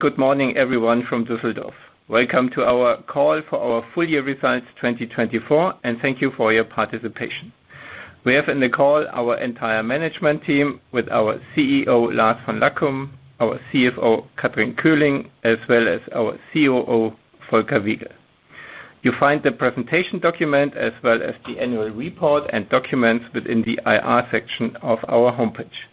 Good morning, everyone from Düsseldorf. Welcome to our call for our full year results 2024, and thank you for your participation. We have in the call our entire management team with our CEO Lars von Lackum, our CFO Kathrin Köhling, as well as our COO Volker Wiegel. You find the presentation document as well as the annual report and documents within the IR section of our homepage.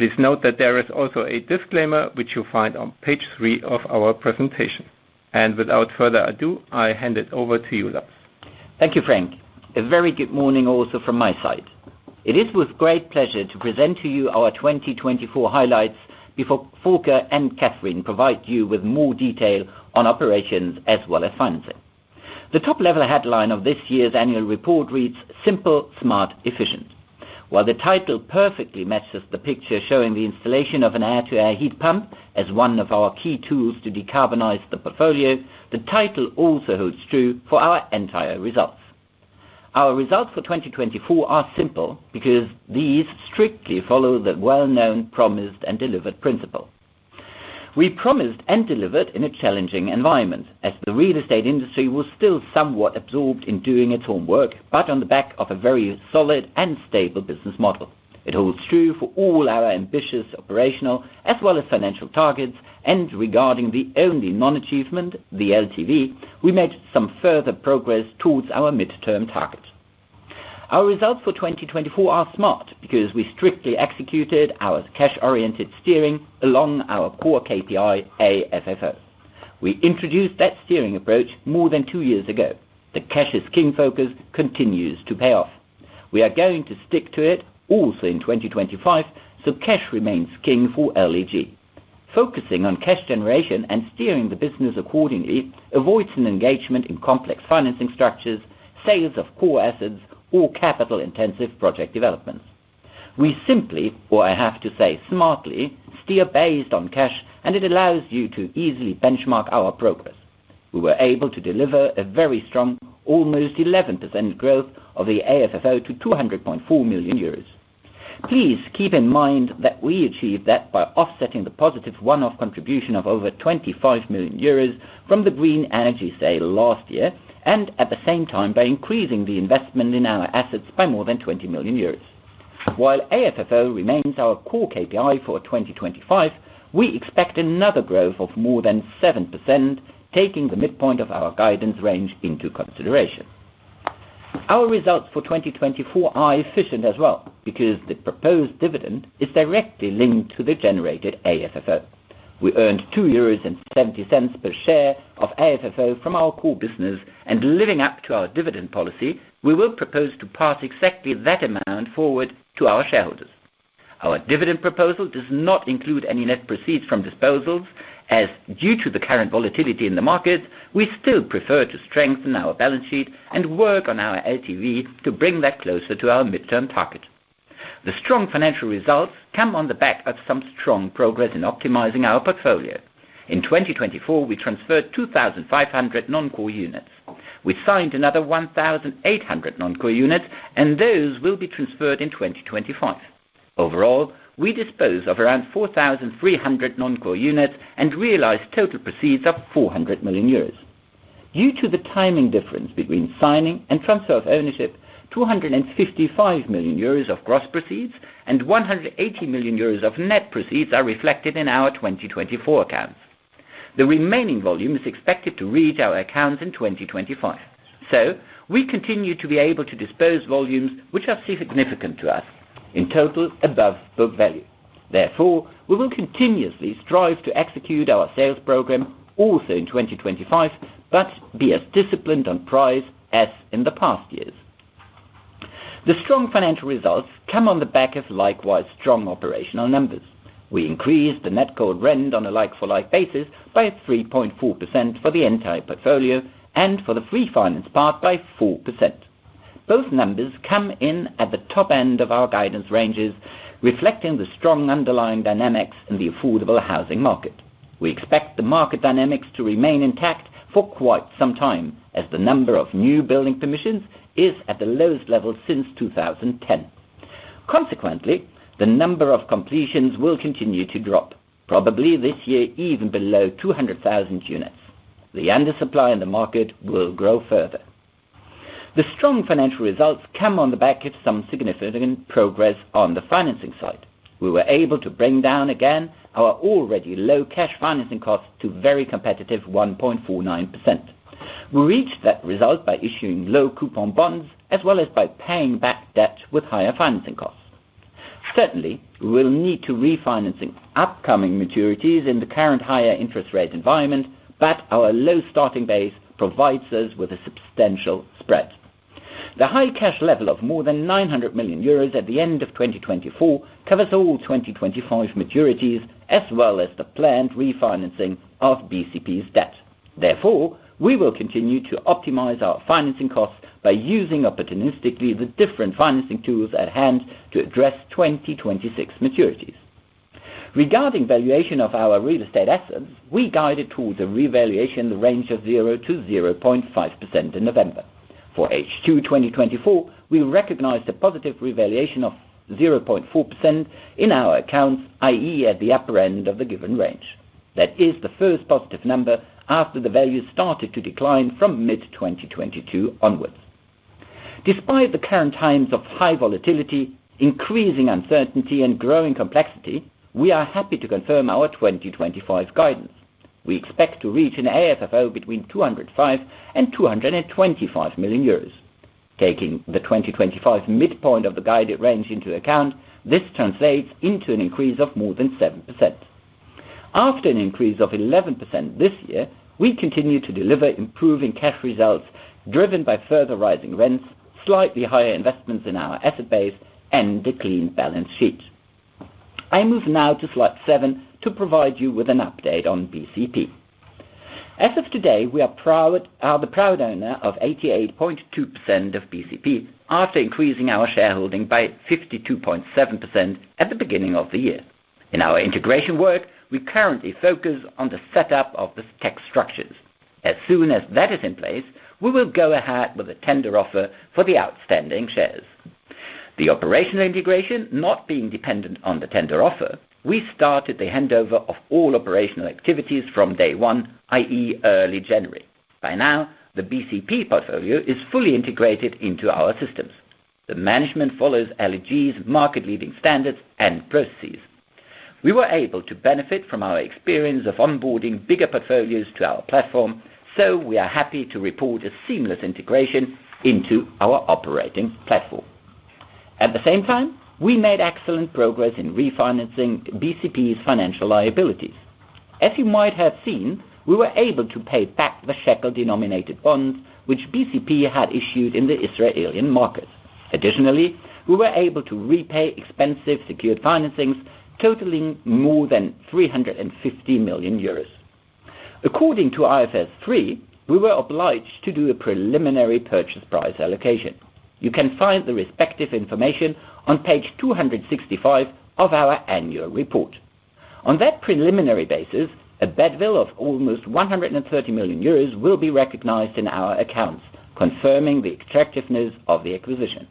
Please note that there is also a disclaimer, which you find on page three of our presentation. Without further ado, I hand it over to you, Lars. Thank you, Frank. A very good morning also from my side. It is with great pleasure to present to you our 2024 highlights before Volker and Kathrin provide you with more detail on operations as well as financing. The top-level headline of this year's annual report reads, "Simple, Smart, Efficient." While the title perfectly matches the picture showing the installation of an air-to-air heat pump as one of our key tools to decarbonize the portfolio, the title also holds true for our entire results. Our results for 2024 are simple because these strictly follow the well-known promised and delivered principle. We promised and delivered in a challenging environment, as the real estate industry was still somewhat absorbed in doing its homework, but on the back of a very solid and stable business model. It holds true for all our ambitious operational as well as financial targets, and regarding the only non-achievement, the LTV, we made some further progress towards our midterm target. Our results for 2024 are smart because we strictly executed our cash-oriented steering along our core KPI, AFFO. We introduced that steering approach more than two years ago. The cash is king focus continues to pay off. We are going to stick to it also in 2025, so cash remains king for LEG. Focusing on cash generation and steering the business accordingly avoids an engagement in complex financing structures, sales of core assets, or capital-intensive project developments. We simply, or I have to say smartly, steer based on cash, and it allows you to easily benchmark our progress. We were able to deliver a very strong, almost 11% growth of the AFFO to 200.4 million euros. Please keep in mind that we achieved that by offsetting the positive one-off contribution of over 25 million euros from the green energy sale last year, and at the same time by increasing the investment in our assets by more than 20 million euros. While AFFO remains our core KPI for 2025, we expect another growth of more than 7%, taking the midpoint of our guidance range into consideration. Our results for 2024 are efficient as well because the proposed dividend is directly linked to the generated AFFO. We earned 2.70 euros per share of AFFO from our core business, and living up to our dividend policy, we will propose to pass exactly that amount forward to our shareholders. Our dividend proposal does not include any net proceeds from disposals, as due to the current volatility in the market, we still prefer to strengthen our balance sheet and work on our LTV to bring that closer to our midterm target. The strong financial results come on the back of some strong progress in optimizing our portfolio. In 2024, we transferred 2,500 non-core units. We signed another 1,800 non-core units, and those will be transferred in 2025. Overall, we dispose of around 4,300 non-core units and realized total proceeds of 400 million euros. Due to the timing difference between signing and transfer of ownership, 255 million euros of gross proceeds and 180 million euros of net proceeds are reflected in our 2024 accounts. The remaining volume is expected to reach our accounts in 2025. We continue to be able to dispose volumes which are significant to us, in total above book value. Therefore, we will continuously strive to execute our sales program also in 2025, but be as disciplined on price as in the past years. The strong financial results come on the back of likewise strong operational numbers. We increased the net core rent on a like-for-like basis by 3.4% for the entire portfolio and for the free finance part by 4%. Both numbers come in at the top end of our guidance ranges, reflecting the strong underlying dynamics in the affordable housing market. We expect the market dynamics to remain intact for quite some time, as the number of new building permissions is at the lowest level since 2010. Consequently, the number of completions will continue to drop, probably this year even below 200,000 units. The undersupply in the market will grow further. The strong financial results come on the back of some significant progress on the financing side. We were able to bring down again our already low cash financing costs to a very competitive 1.49%. We reached that result by issuing low coupon bonds as well as by paying back debt with higher financing costs. Certainly, we will need to refinance upcoming maturities in the current higher interest rate environment, but our low starting base provides us with a substantial spread. The high cash level of more than 900 million euros at the end of 2024 covers all 2025 maturities as well as the planned refinancing of BCP's debt. Therefore, we will continue to optimize our financing costs by using opportunistically the different financing tools at hand to address 2026 maturities. Regarding valuation of our real estate assets, we guided towards a revaluation in the range of 0%-0.5% in November. For H2 2024, we recognized a positive revaluation of 0.4% in our accounts, i.e., at the upper end of the given range. That is the first positive number after the value started to decline from mid-2022 onwards. Despite the current times of high volatility, increasing uncertainty, and growing complexity, we are happy to confirm our 2025 guidance. We expect to reach an AFFO between 205 million and 225 million euros. Taking the 2025 midpoint of the guided range into account, this translates into an increase of more than 7%. After an increase of 11% this year, we continue to deliver improving cash results driven by further rising rents, slightly higher investments in our asset base, and a clean balance sheet. I move now to slide seven to provide you with an update on BCP. As of today, we are the proud owner of 88.2% of BCP after increasing our shareholding by 52.7% at the beginning of the year. In our integration work, we currently focus on the setup of the tech structures. As soon as that is in place, we will go ahead with a tender offer for the outstanding shares. The operational integration not being dependent on the tender offer, we started the handover of all operational activities from day one, i.e., early January. By now, the BCP portfolio is fully integrated into our systems. The management follows LEG's market-leading standards and processes. We were able to benefit from our experience of onboarding bigger portfolios to our platform, so we are happy to report a seamless integration into our operating platform. At the same time, we made excellent progress in refinancing BCP's financial liabilities. As you might have seen, we were able to pay back the Shekel-denominated bonds which BCP had issued in the Israeli market. Additionally, we were able to repay expensive secured financings totaling more than 350 million euros. According to IFRS 3, we were obliged to do a preliminary purchase price allocation. You can find the respective information on page 265 of our annual report. On that preliminary basis, a bargain purchase of almost 130 million euros will be recognized in our accounts, confirming the attractiveness of the acquisition.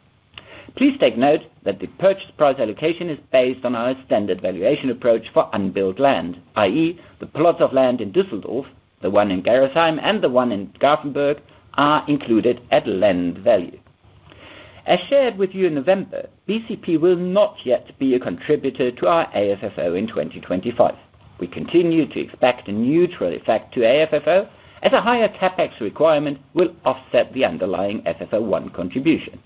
Please take note that the purchase price allocation is based on our standard valuation approach for unbuilt land, i.e., the plots of land in Düsseldorf, the one in Gerosheim, and the one in Gothenburg are included at land value. As shared with you in November, BCP will not yet be a contributor to our AFFO in 2025. We continue to expect a neutral effect to AFFO as a higher CapEx requirement will offset the underlying FFO I contribution.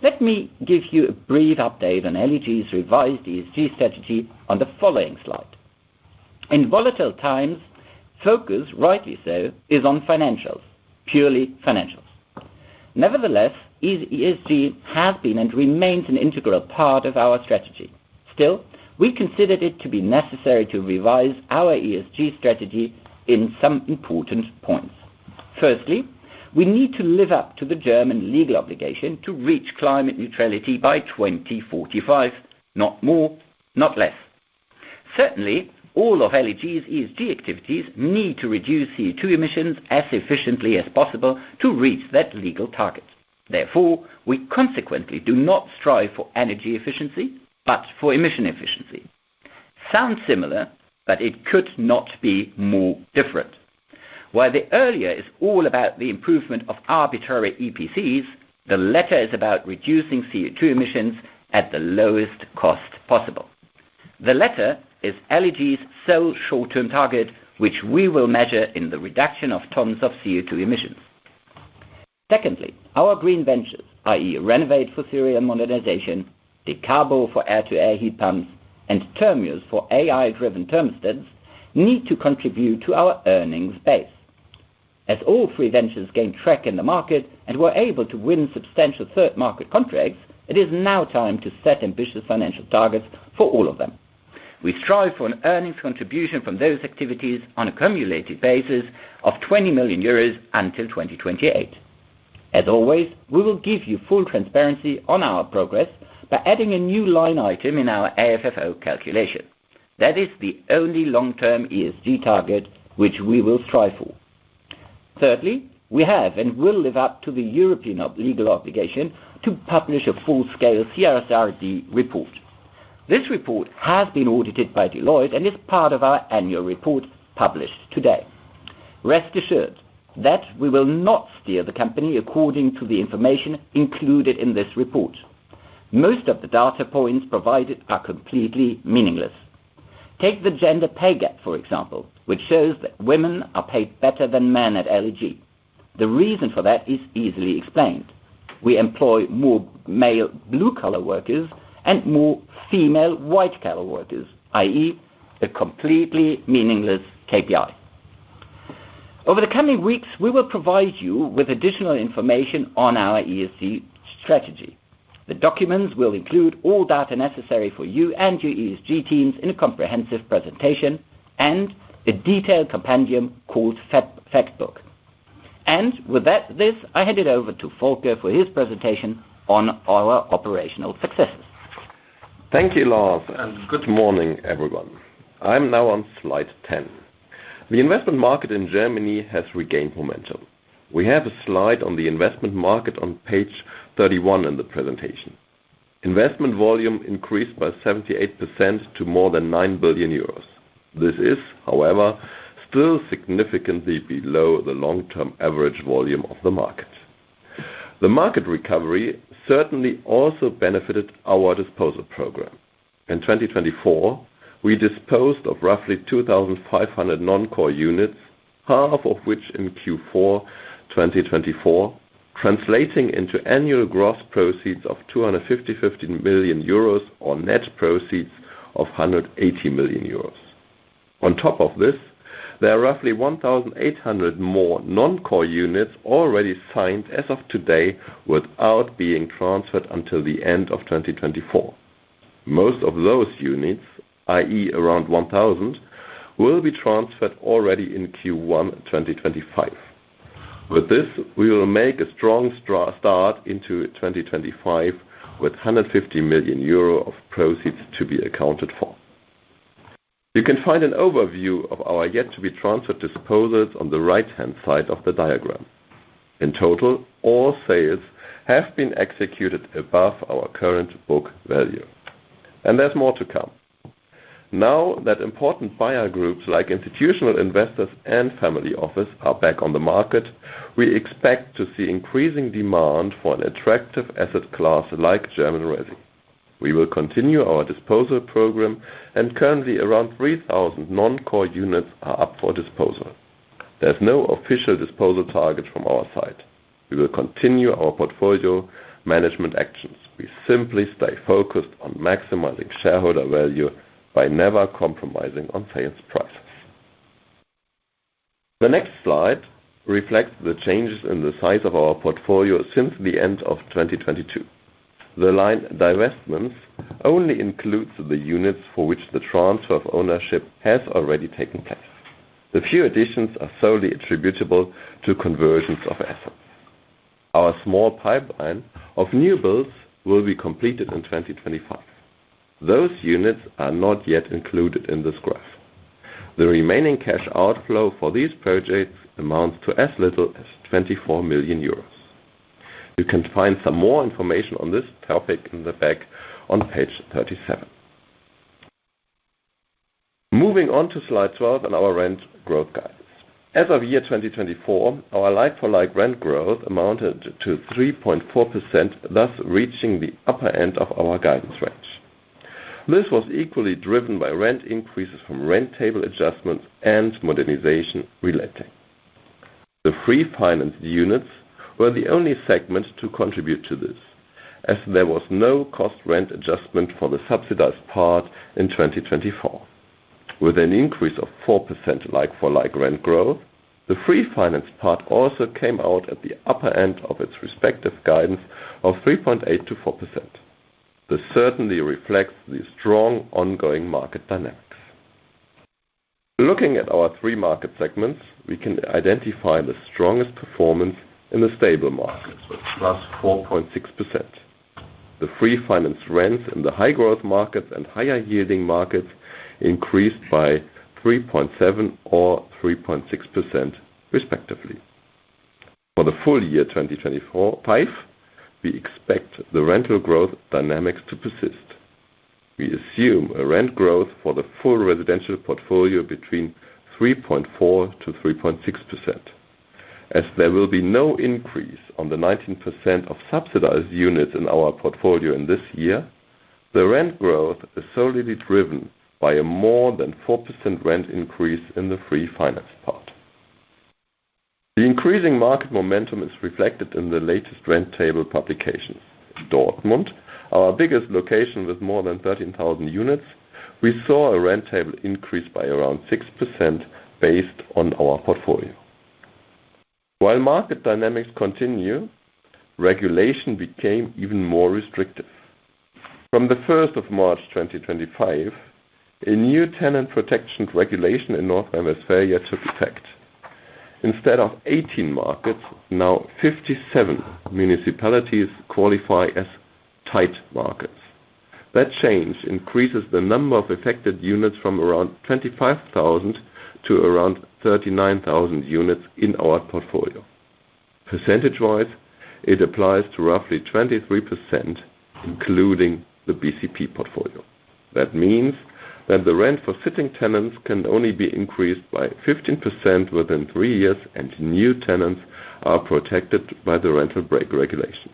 Let me give you a brief update on LEG's revised ESG strategy on the following slide. In volatile times, focus, rightly so, is on financials, purely financials. Nevertheless, ESG has been and remains an integral part of our strategy. Still, we considered it to be necessary to revise our ESG strategy in some important points. Firstly, we need to live up to the German legal obligation to reach climate neutrality by 2045, not more, not less. Certainly, all of LEG's ESG activities need to reduce CO2 emissions as efficiently as possible to reach that legal target. Therefore, we consequently do not strive for energy efficiency, but for emission efficiency. Sounds similar, but it could not be more different. While the earlier is all about the improvement of arbitrary EPCs, the latter is about reducing CO2 emissions at the lowest cost possible. The latter is LEG's sole short-term target, which we will measure in the reduction of tons of CO2 emissions. Secondly, our green ventures, i.e., Renowate for serial modernization, dekarbo for air-to-air heat pumps, and termios for AI-driven thermostats, need to contribute to our earnings base. As all three ventures gained track in the market and were able to win substantial third-market contracts, it is now time to set ambitious financial targets for all of them. We strive for an earnings contribution from those activities on a cumulated basis of 20 million euros until 2028. As always, we will give you full transparency on our progress by adding a new line item in our AFFO calculation. That is the only long-term ESG target which we will strive for. Thirdly, we have and will live up to the European legal obligation to publish a full-scale CSRD report. This report has been audited by Deloitte and is part of our annual report published today. Rest assured that we will not steer the company according to the information included in this report. Most of the data points provided are completely meaningless. Take the gender pay gap, for example, which shows that women are paid better than men at LEG. The reason for that is easily explained. We employ more male blue-collar workers and more female white-collar workers, i.e., a completely meaningless KPI. Over the coming weeks, we will provide you with additional information on our ESG strategy. The documents will include all data necessary for you and your ESG teams in a comprehensive presentation and a detailed compendium called Factbook. With that, I hand it over to Volker for his presentation on our operational successes. Thank you, Lars, and good morning, everyone. I am now on slide 10. The investment market in Germany has regained momentum. We have a slide on the investment market on page 31 in the presentation. Investment volume increased by 78% to more than 9 billion euros. This is, however, still significantly below the long-term average volume of the market. The market recovery certainly also benefited our disposal program. In 2024, we disposed of roughly 2,500 non-core units, half of which in Q4 2024, translating into annual gross proceeds of 255 million euros or net proceeds of 180 million euros. On top of this, there are roughly 1,800 more non-core units already signed as of today without being transferred until the end of 2024. Most of those units, i.e., around 1,000, will be transferred already in Q1 2025. With this, we will make a strong start into 2025 with 150 million euro of proceeds to be accounted for. You can find an overview of our yet-to-be-transferred disposals on the right-hand side of the diagram. In total, all sales have been executed above our current book value. There is more to come. Now that important buyer groups like institutional investors and family offices are back on the market, we expect to see increasing demand for an attractive asset class like German resi. We will continue our disposal program, and currently around 3,000 non-core units are up for disposal. There is no official disposal target from our side. We will continue our portfolio management actions. We simply stay focused on maximizing shareholder value by never compromising on sales prices. The next slide reflects the changes in the size of our portfolio since the end of 2022. The line divestments only includes the units for which the transfer of ownership has already taken place. The few additions are solely attributable to conversions of assets. Our small pipeline of new builds will be completed in 2025. Those units are not yet included in this graph. The remaining cash outflow for these projects amounts to as little as 24 million euros. You can find some more information on this topic in the back on page 37. Moving on to slide 12 in our rent growth guidance. As of year 2024, our like-for-like rent growth amounted to 3.4%, thus reaching the upper end of our guidance range. This was equally driven by rent increases from rent table adjustments and modernization relating. The free-financed units were the only segment to contribute to this, as there was no cost rent adjustment for the subsidized part in 2024. With an increase of 4% like-for-like rent growth, the free-financed part also came out at the upper end of its respective guidance of 3.8%-4%. This certainly reflects the strong ongoing market dynamics. Looking at our three market segments, we can identify the strongest performance in the stable markets with +4.6%. The free-financed rents in the high-growth markets and higher-yielding markets increased by 3.7% or 3.6%, respectively. For the full year 2025, we expect the rental growth dynamics to persist. We assume a rent growth for the full residential portfolio between 3.4%-3.6%. As there will be no increase on the 19% of subsidized units in our portfolio in this year, the rent growth is solely driven by a more than 4% rent increase in the freefinanced part. The increasing market momentum is reflected in the latest rent table publications. In Dortmund, our biggest location with more than 13,000 units, we saw a rent table increase by around 6% based on our portfolio. While market dynamics continue, regulation became even more restrictive. From the 1st of March 2025, a new tenant protection regulation in North Rhine-Westphalia took effect. Instead of 18 markets, now 57 municipalities qualify as tight markets. That change increases the number of affected units from around 25,000 to around 39,000 units in our portfolio. Percentage-wise, it applies to roughly 23%, including the BCP portfolio. That means that the rent for sitting tenants can only be increased by 15% within three years, and new tenants are protected by the rental break regulation.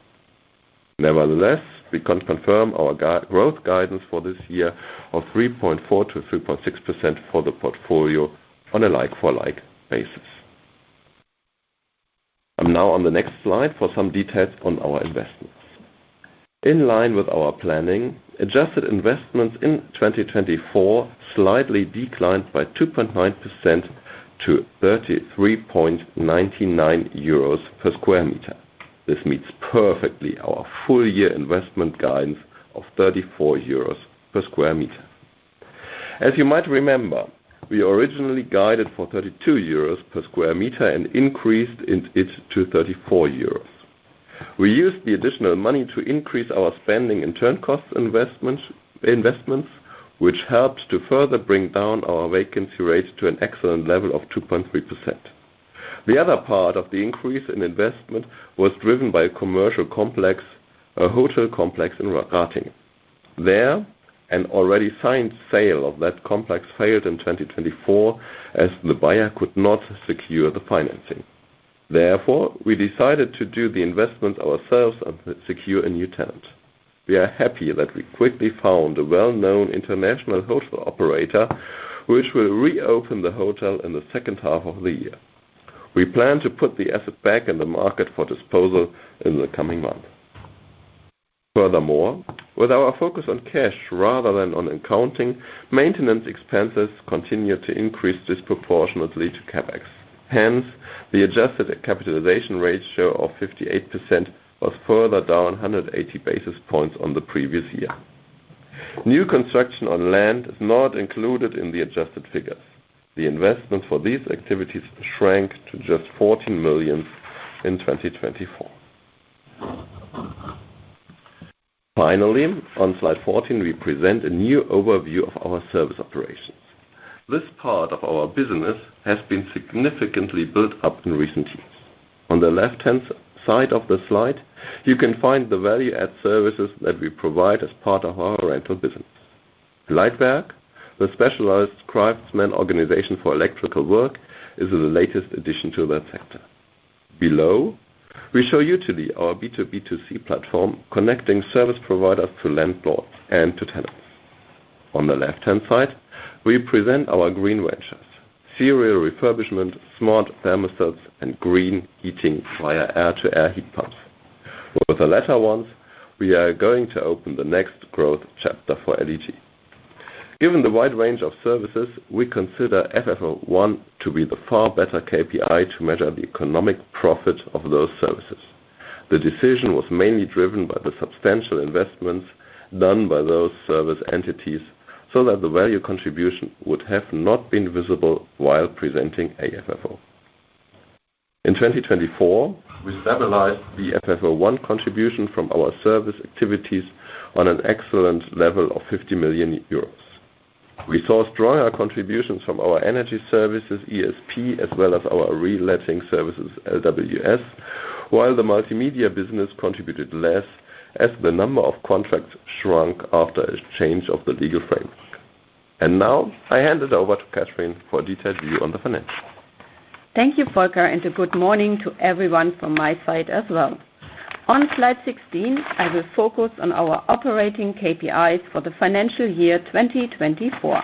Nevertheless, we can confirm our growth guidance for this year of 3.4%-3.6% for the portfolio on a like-for-like basis. I'm now on the next slide for some details on our investments. In line with our planning, adjusted investments in 2024 slightly declined by 2.9% to EUR 33.99 per sq m. This meets perfectly our full-year investment guidance of 34 euros per sq m. As you might remember, we originally guided for 32 euros per sq m and increased it to 34 euros. We used the additional money to increase our spending in turn cost investments, which helped to further bring down our vacancy rate to an excellent level of 2.3%. The other part of the increase in investment was driven by a commercial complex, a hotel complex in Gothenburg. There, an already signed sale of that complex failed in 2024 as the buyer could not secure the financing. Therefore, we decided to do the investments ourselves and secure a new tenant. We are happy that we quickly found a well-known international hotel operator, which will reopen the hotel in the second half of the year. We plan to put the asset back in the market for disposal in the coming month. Furthermore, with our focus on cash rather than on accounting, maintenance expenses continue to increase disproportionately to CapEx. Hence, the adjusted capitalization ratio of 58% was further down 180 basis points on the previous year. New construction on land is not included in the adjusted figures. The investment for these activities shrank to just 14 million in 2024. Finally, on slide 14, we present a new overview of our service operations. This part of our business has been significantly built up in recent years. On the left-hand side of the slide, you can find the value-add services that we provide as part of our rental business. LEITWerk, the specialized craftsman organization for electrical work, is the latest addition to that sector. Below, we show you today our B2B2C platform connecting service providers to landlords and to tenants. On the left-hand side, we present our green ventures: serial refurbishment, smart thermostats, and green heating via air-to-air heat pumps. With the latter ones, we are going to open the next growth chapter for LEG. Given the wide range of services, we consider FFO I to be the far better KPI to measure the economic profit of those services. The decision was mainly driven by the substantial investments done by those service entities so that the value contribution would have not been visible while presenting a FFO. In 2024, we stabilized the FFO I contribution from our service activities on an excellent level of 50 million euros. We saw stronger contributions from our energy services, ESP, as well as our reletting services, LWS, while the multimedia business contributed less as the number of contracts shrunk after a change of the legal framework. I hand it over to Kathrin for a detailed view on the financials. Thank you, Volker, and good morning to everyone from my side as well. On slide 16, I will focus on our operating KPIs for the financial year 2024.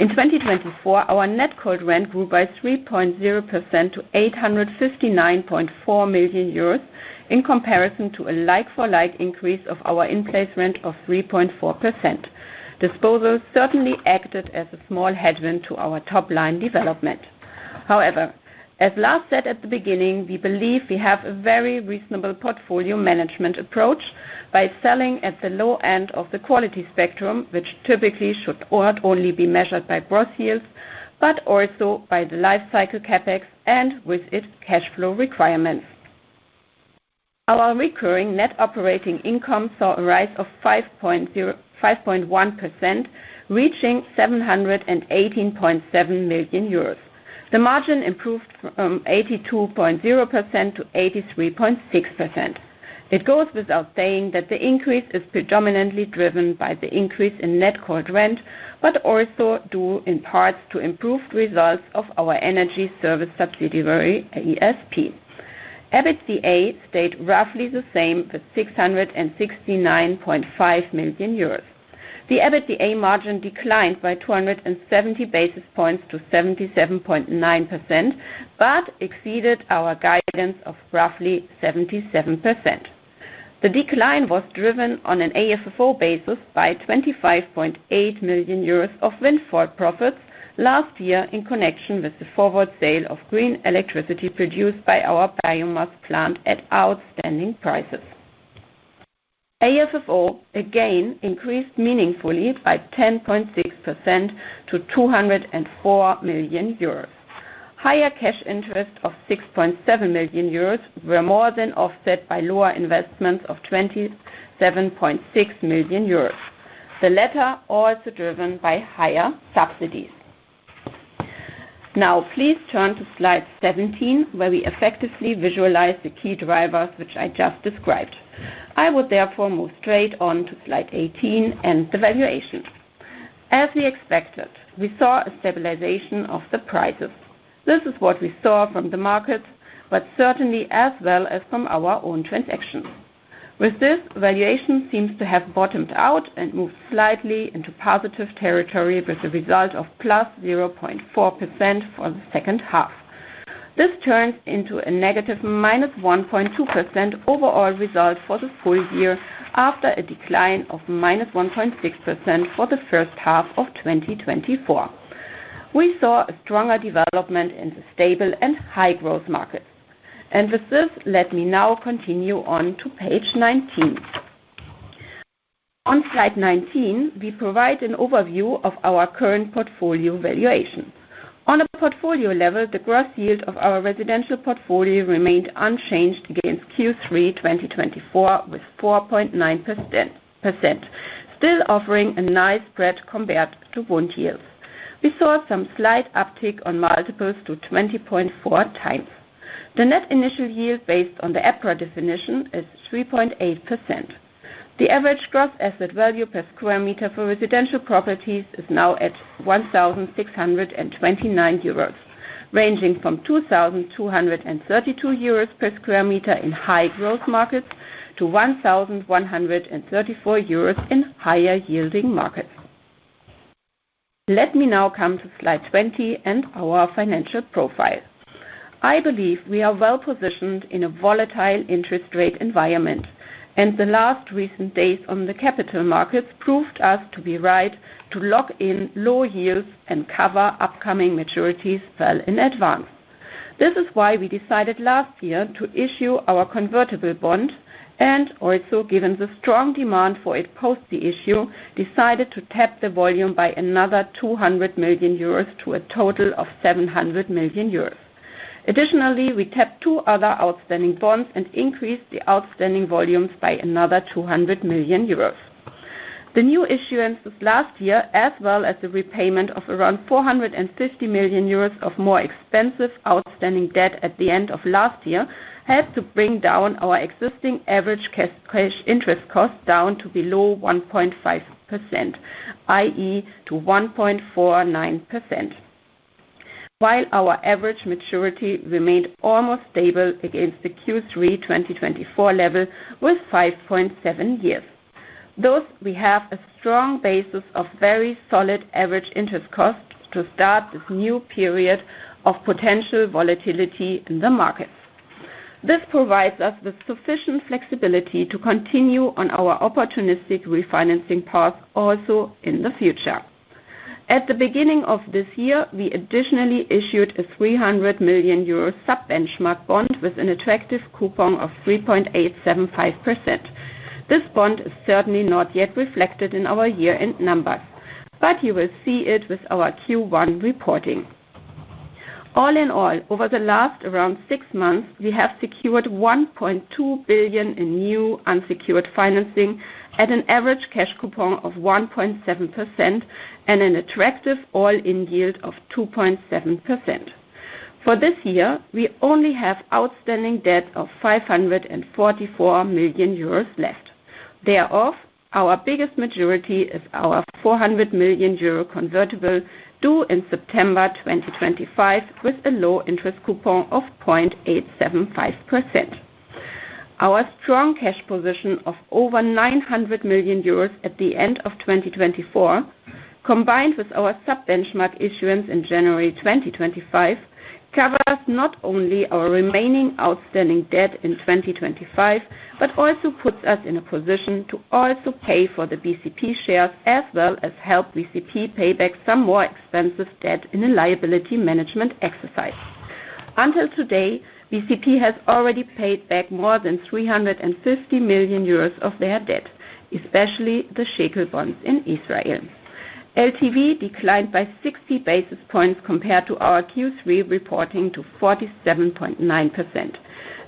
In 2024, our net cold rent grew by 3.0% to 859.4 million euros in comparison to a like-for-like increase of our in-place rent of 3.4%. Disposal certainly acted as a small headwind to our top-line development. However, as Lars said at the beginning, we believe we have a very reasonable portfolio management approach by selling at the low end of the quality spectrum, which typically should not only be measured by gross yields but also by the life cycle CapEx and with its cash flow requirements. Our recurring net operating income saw a rise of 5.1%, reaching 718.7 million euros. The margin improved from 82.0% to 83.6%. It goes without saying that the increase is predominantly driven by the increase in net cold rent, but also due in part to improved results of our energy service subsidiary, ESP. EBITDA stayed roughly the same with 669.5 million euros. The EBITDA margin declined by 270 basis points to 77.9% but exceeded our guidance of roughly 77%. The decline was driven on an AFFO basis by 25.8 million euros of windfall profits last year in connection with the forward sale of green electricity produced by our biomass plant at outstanding prices. AFFO again increased meaningfully by 10.6% to 204 million euros. Higher cash interest of 6.7 million euros were more than offset by lower investments of 27.6 million euros. The latter also driven by higher subsidies. Now, please turn to slide 17, where we effectively visualize the key drivers, which I just described. I would therefore move straight on to slide 18 and the valuation. As we expected, we saw a stabilization of the prices. This is what we saw from the market, but certainly as well as from our own transactions. With this, valuation seems to have bottomed out and moved slightly into positive territory with a result of +0.4% for the second half. This turns into a negative -1.2% overall result for the full year after a decline of -1.6% for the first half of 2024. We saw a stronger development in the stable and high-growth markets. With this, let me now continue on to page 19. On slide 19, we provide an overview of our current portfolio valuation. On a portfolio level, the gross yield of our residential portfolio remained unchanged against Q3 2024 with 4.9%, still offering a nice spread compared to bond yields. We saw some slight uptick on multiples to 20.4x. The net initial yield based on the EPRA definition is 3.8%. The average gross asset value per square meter for residential properties is now at 1,629 euros, ranging from 2,232 euros per square meter in high-growth markets to 1,134 euros in higher-yielding markets. Let me now come to slide 20 and our financial profile. I believe we are well-positioned in a volatile interest rate environment, and the last recent days on the capital markets proved us to be right to lock in low yields and cover upcoming maturities well in advance. This is why we decided last year to issue our convertible bond and, also given the strong demand for it post the issue, decided to tap the volume by another 200 million euros to a total of 700 million euros. Additionally, we tapped two other outstanding bonds and increased the outstanding volumes by another 200 million euros. The new issuances last year, as well as the repayment of around 450 million euros of more expensive outstanding debt at the end of last year, helped to bring down our existing average cash interest cost down to below 1.5%, i.e., to 1.49%, while our average maturity remained almost stable against the Q3 2024 level with 5.7 years. Thus, we have a strong basis of very solid average interest cost to start this new period of potential volatility in the markets. This provides us with sufficient flexibility to continue on our opportunistic refinancing path also in the future. At the beginning of this year, we additionally issued a 300 million euro sub-benchmark bond with an attractive coupon of 3.875%. This bond is certainly not yet reflected in our year-end numbers, but you will see it with our Q1 reporting. All in all, over the last around six months, we have secured 1.2 billion in new unsecured financing at an average cash coupon of 1.7% and an attractive all-in yield of 2.7%. For this year, we only have outstanding debt of 544 million euros left. Thereof, our biggest majority is our 400 million euro convertible due in September 2025 with a low interest coupon of 0.875%. Our strong cash position of over 900 million euros at the end of 2024, combined with our sub-benchmark issuance in January 2025, covers not only our remaining outstanding debt in 2025 but also puts us in a position to also pay for the BCP shares as well as help BCP pay back some more expensive debt in a liability management exercise. Until today, BCP has already paid back more than 350 million euros of their debt, especially the Shekel bonds in Israel. LTV declined by 60 basis points compared to our Q3 reporting to 47.9%.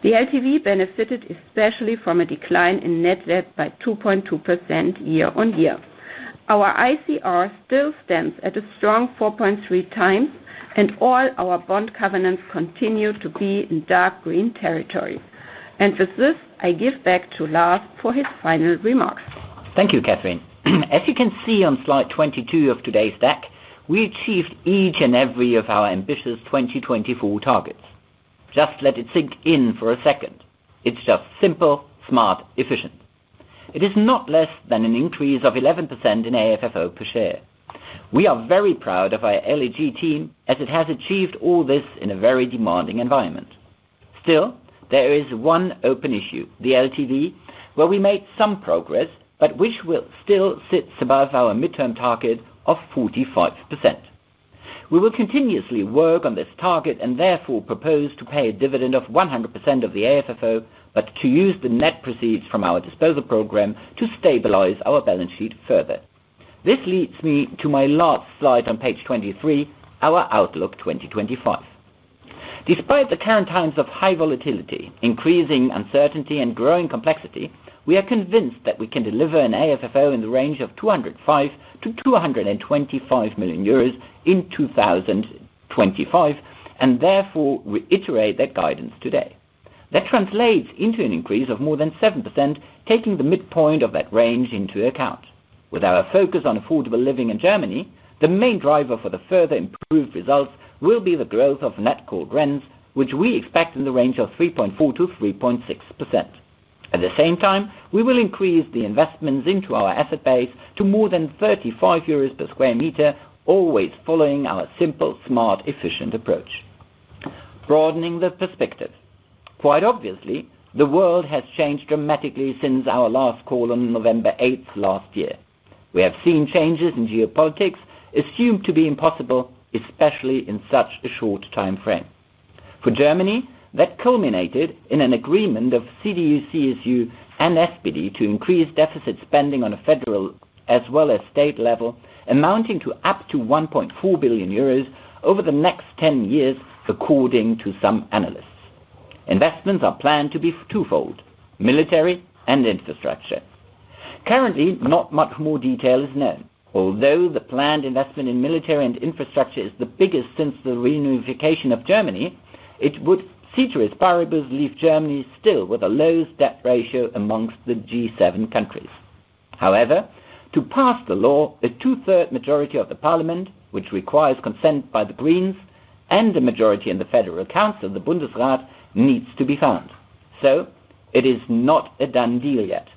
The LTV benefited especially from a decline in net debt by 2.2% year on year. Our ICR still stands at a strong 4.3x, and all our bond covenants continue to be in dark green territory. With this, I give back to Lars for his final remarks. Thank you, Kathrin. As you can see on slide 22 of today's deck, we achieved each and every of our ambitious 2024 targets. Just let it sink in for a second. It's just simple, smart, efficient. It is not less than an increase of 11% in AFFO per share. We are very proud of our LEG team as it has achieved all this in a very demanding environment. Still, there is one open issue, the LTV, where we made some progress but which will still sit above our midterm target of 45%. We will continuously work on this target and therefore propose to pay a dividend of 100% of the AFFO but to use the net proceeds from our disposal program to stabilize our balance sheet further. This leads me to my last slide on page 23, our outlook 2025. Despite the current times of high volatility, increasing uncertainty, and growing complexity, we are convinced that we can deliver an AFFO in the range of 205 million-225 million euros in 2025 and therefore reiterate that guidance today. That translates into an increase of more than 7%, taking the midpoint of that range into account. With our focus on affordable living in Germany, the main driver for the further improved results will be the growth of net cold rents, which we expect in the range of 3.4%-3.6%. At the same time, we will increase the investments into our asset base to more than 35 euros per square meter, always following our simple, smart, efficient approach. Broadening the perspective. Quite obviously, the world has changed dramatically since our last call on November 8 last year. We have seen changes in geopolitics assumed to be impossible, especially in such a short time frame. For Germany, that culminated in an agreement of CDU/CSU and SPD to increase deficit spending on a federal as well as state level, amounting to up to 1.4 billion euros over the next 10 years, according to some analysts. Investments are planned to be twofold: military and infrastructure. Currently, not much more detail is known. Although the planned investment in military and infrastructure is the biggest since the reunification of Germany, it would see to its parables leave Germany still with a lowest debt ratio amongst the G7 countries. However, to pass the law, a two-third majority of the Parliament, which requires consent by the Greens, and a majority in the Federal Council, the Bundesrat, needs to be found. It is not a done deal yet.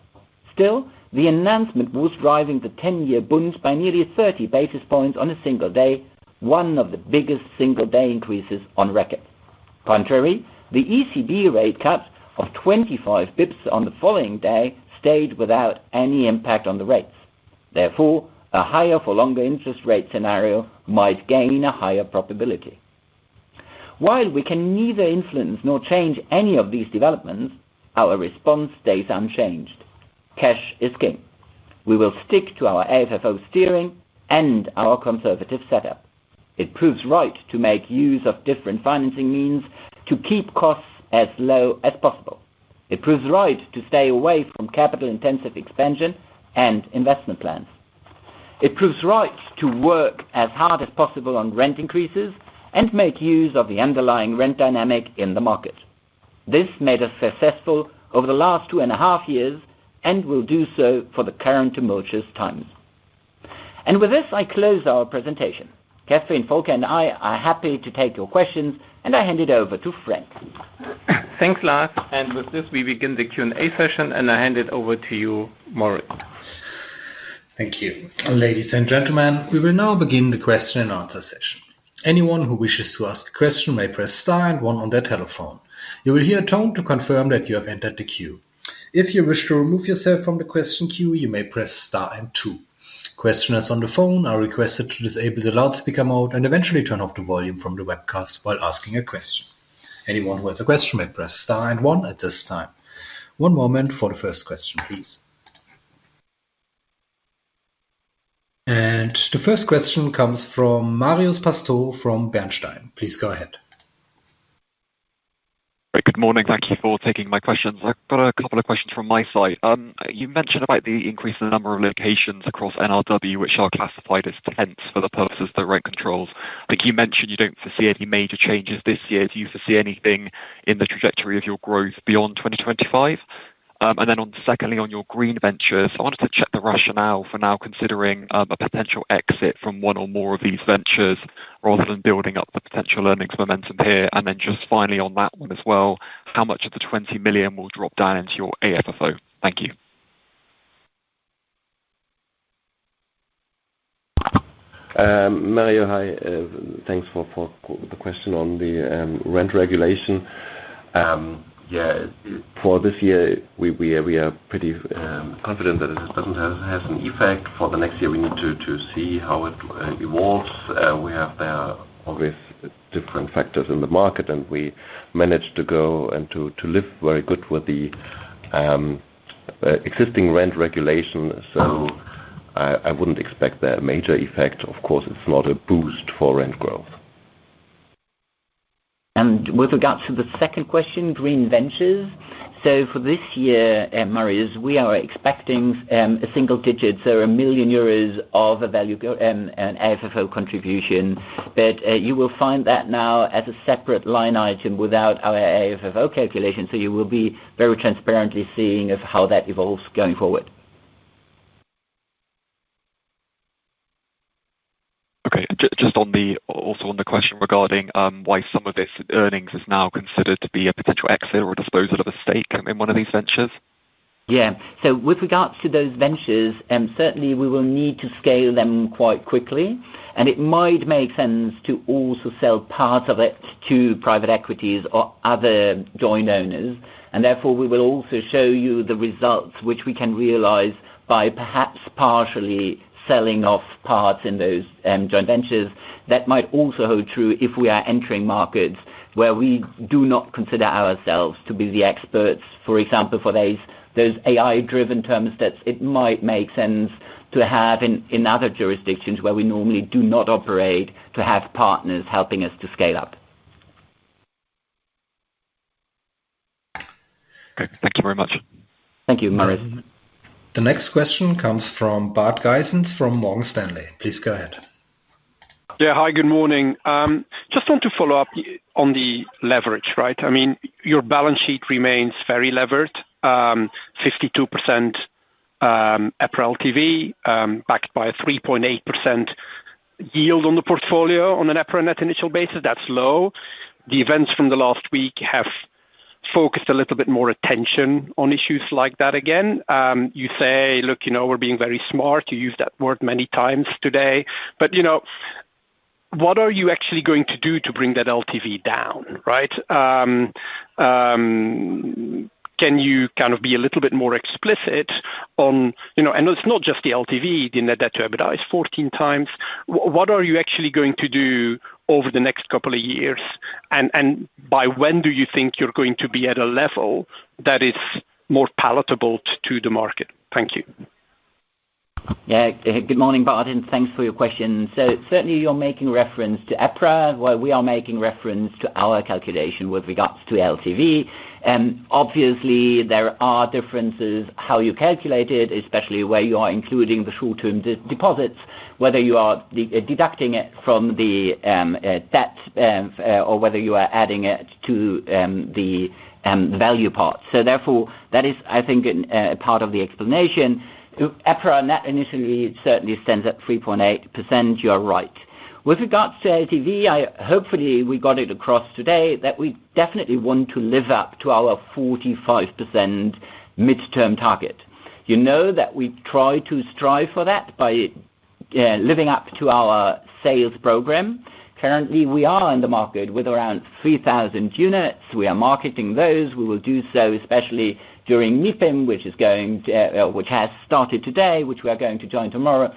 Still, the announcement was driving the 10-year bond by nearly 30 basis points on a single day, one of the biggest single-day increases on record. Contrary, the ECB rate cut of 25 basis points on the following day stayed without any impact on the rates. Therefore, a higher-for-longer interest rate scenario might gain a higher probability. While we can neither influence nor change any of these developments, our response stays unchanged. Cash is king. We will stick to our AFFO steering and our conservative setup. It proves right to make use of different financing means to keep costs as low as possible. It proves right to stay away from capital-intensive expansion and investment plans. It proves right to work as hard as possible on rent increases and make use of the underlying rent dynamic in the market. This made us successful over the last two and a half years and will do so for the current tumultuous times. With this, I close our presentation. Kathrin Köhling and I are happy to take your questions, and I hand it over to Frank. Thanks, Lars. With this, we begin the Q&A session, and I hand it over to you, Moritz. Thank you. Ladies and gentlemen, we will now begin the question-and-answer session. Anyone who wishes to ask a question may press star and one on their telephone. You will hear a tone to confirm that you have entered the queue. If you wish to remove yourself from the question queue, you may press star and two. Questioners on the phone are requested to disable the loudspeaker mode and eventually turn off the volume from the webcast while asking a question. Anyone who has a question may press star and one at this time. One moment for the first question, please. The first question comes from Marios Pastou from Bernstein. Please go ahead. Good morning. Thank you for taking my questions. I've got a couple of questions from my side. You mentioned about the increase in the number of locations across NRW, which are classified as tents for the purposes of rent controls. I think you mentioned you don't foresee any major changes this year. Do you foresee anything in the trajectory of your growth beyond 2025? Secondly, on your green ventures, I wanted to check the rationale for now considering a potential exit from one or more of these ventures rather than building up the potential earnings momentum here. Just finally on that one as well, how much of the 20 million will drop down into your AFFO? Thank you. Mario, hi. Thanks for the question on the rent regulation. For this year, we are pretty confident that it does not have an effect. For the next year, we need to see how it evolves. We have there obviously different factors in the market, and we managed to go and to live very good with the existing rent regulation. I would not expect a major effect. Of course, it is not a boost for rent growth. With regards to the second question, green ventures. For this year, Marius, we are expecting a single-digit million euros of a value and AFFO contribution. You will find that now as a separate line item without our AFFO calculation. You will be very transparently seeing how that evolves going forward. Okay. Just also on the question regarding why some of this earnings is now considered to be a potential exit or disposal of a stake in one of these ventures. Yeah. With regards to those ventures, certainly we will need to scale them quite quickly. It might make sense to also sell parts of it to private equities or other joint owners. Therefore, we will also show you the results which we can realize by perhaps partially selling off parts in those joint ventures. That might also hold true if we are entering markets where we do not consider ourselves to be the experts. For example, for those AI-driven thermostats, it might make sense to have in other jurisdictions where we normally do not operate to have partners helping us to scale up. Okay. Thank you very much. Thank you, Marios. The next question comes from Bart Gysens from Morgan Stanley. Please go ahead. Yeah. Hi, good morning. Just want to follow up on the leverage, right? I mean, your balance sheet remains very levered, 52% EPRA LTV backed by a 3.8% yield on the portfolio on an EPRA net initial basis. That's low. The events from the last week have focused a little bit more attention on issues like that again. You say, "Look, we're being very smart." You used that word many times today. What are you actually going to do to bring that LTV down, right? Can you kind of be a little bit more explicit on, and it's not just the LTV, the net debt to EBITDA is 14x. What are you actually going to do over the next couple of years? By when do you think you're going to be at a level that is more palatable to the market? Thank you. Yeah. Good morning, Bart, and thanks for your question. Certainly you're making reference to EPRA. We are making reference to our calculation with regards to LTV. Obviously, there are differences how you calculate it, especially where you are including the short-term deposits, whether you are deducting it from the debt or whether you are adding it to the value part. Therefore, that is, I think, a part of the explanation. EPRA net initially certainly stands at 3.8%. You're right. With regards to LTV, hopefully we got it across today that we definitely want to live up to our 45% midterm target. You know that we try to strive for that by living up to our sales program. Currently, we are in the market with around 3,000 units. We are marketing those. We will do so, especially during MIPIM, which has started today, which we are going to join tomorrow.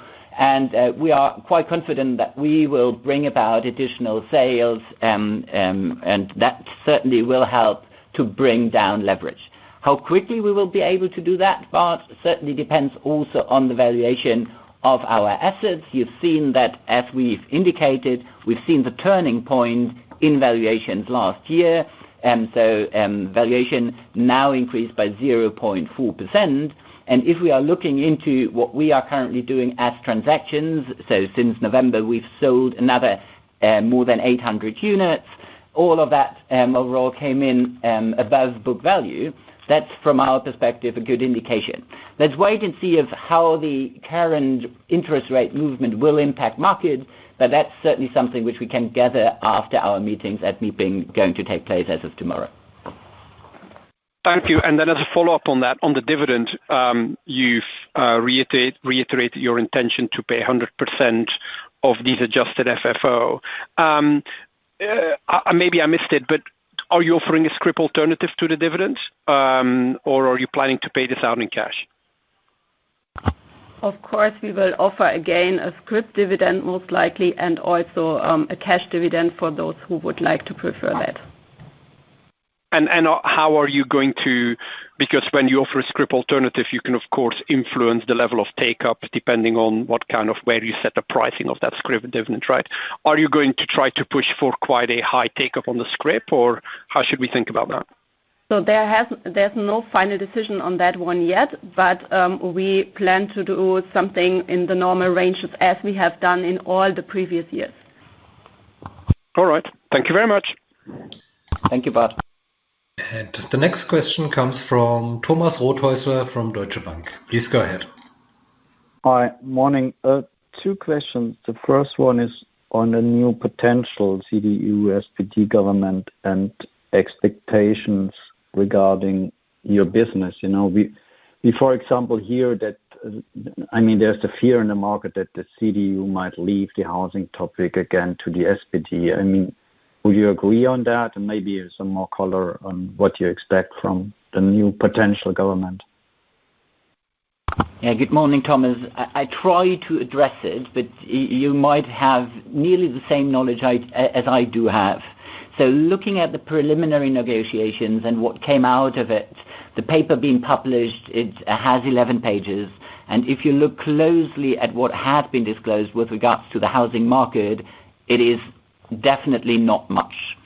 We are quite confident that we will bring about additional sales, and that certainly will help to bring down leverage. How quickly we will be able to do that, Bart, certainly depends also on the valuation of our assets. You have seen that, as we have indicated, we have seen the turning point in valuations last year. Valuation now increased by 0.4%. If we are looking into what we are currently doing as transactions, since November, we have sold another more than 800 units. All of that overall came in above book value. That is, from our perspective, a good indication. Let's wait and see how the current interest rate movement will impact markets, but that's certainly something which we can gather after our meetings at NIPIM going to take place as of tomorrow. Thank you. As a follow-up on that, on the dividend, you've reiterated your intention to pay 100% of these adjusted FFO. Maybe I missed it, but are you offering a scrip alternative to the dividends, or are you planning to pay this out in cash? Of course, we will offer again a scrip dividend most likely, and also a cash dividend for those who would like to prefer that. How are you going to, because when you offer a scrip alternative, you can, of course, influence the level of take-up depending on where you set the pricing of that scrip dividend, right? Are you going to try to push for quite a high take-up on the scrip, or how should we think about that? There is no final decision on that one yet, but we plan to do something in the normal ranges as we have done in all the previous years. All right. Thank you very much. Thank you, Bart. The next question comes from Thomas Rothaeusler from Deutsche Bank. Please go ahead. Hi. Morning. Two questions. The first one is on the new potential CDU/SPD government and expectations regarding your business. We, for example, hear that, I mean, there is the fear in the market that the CDU might leave the housing topic again to the SPD. I mean, would you agree on that? Maybe some more color on what you expect from the new potential government? Yeah. Good morning, Thomas. I try to address it, but you might have nearly the same knowledge as I do have. Looking at the preliminary negotiations and what came out of it, the paper being published has 11 pages. If you look closely at what has been disclosed with regards to the housing market, it is definitely not much.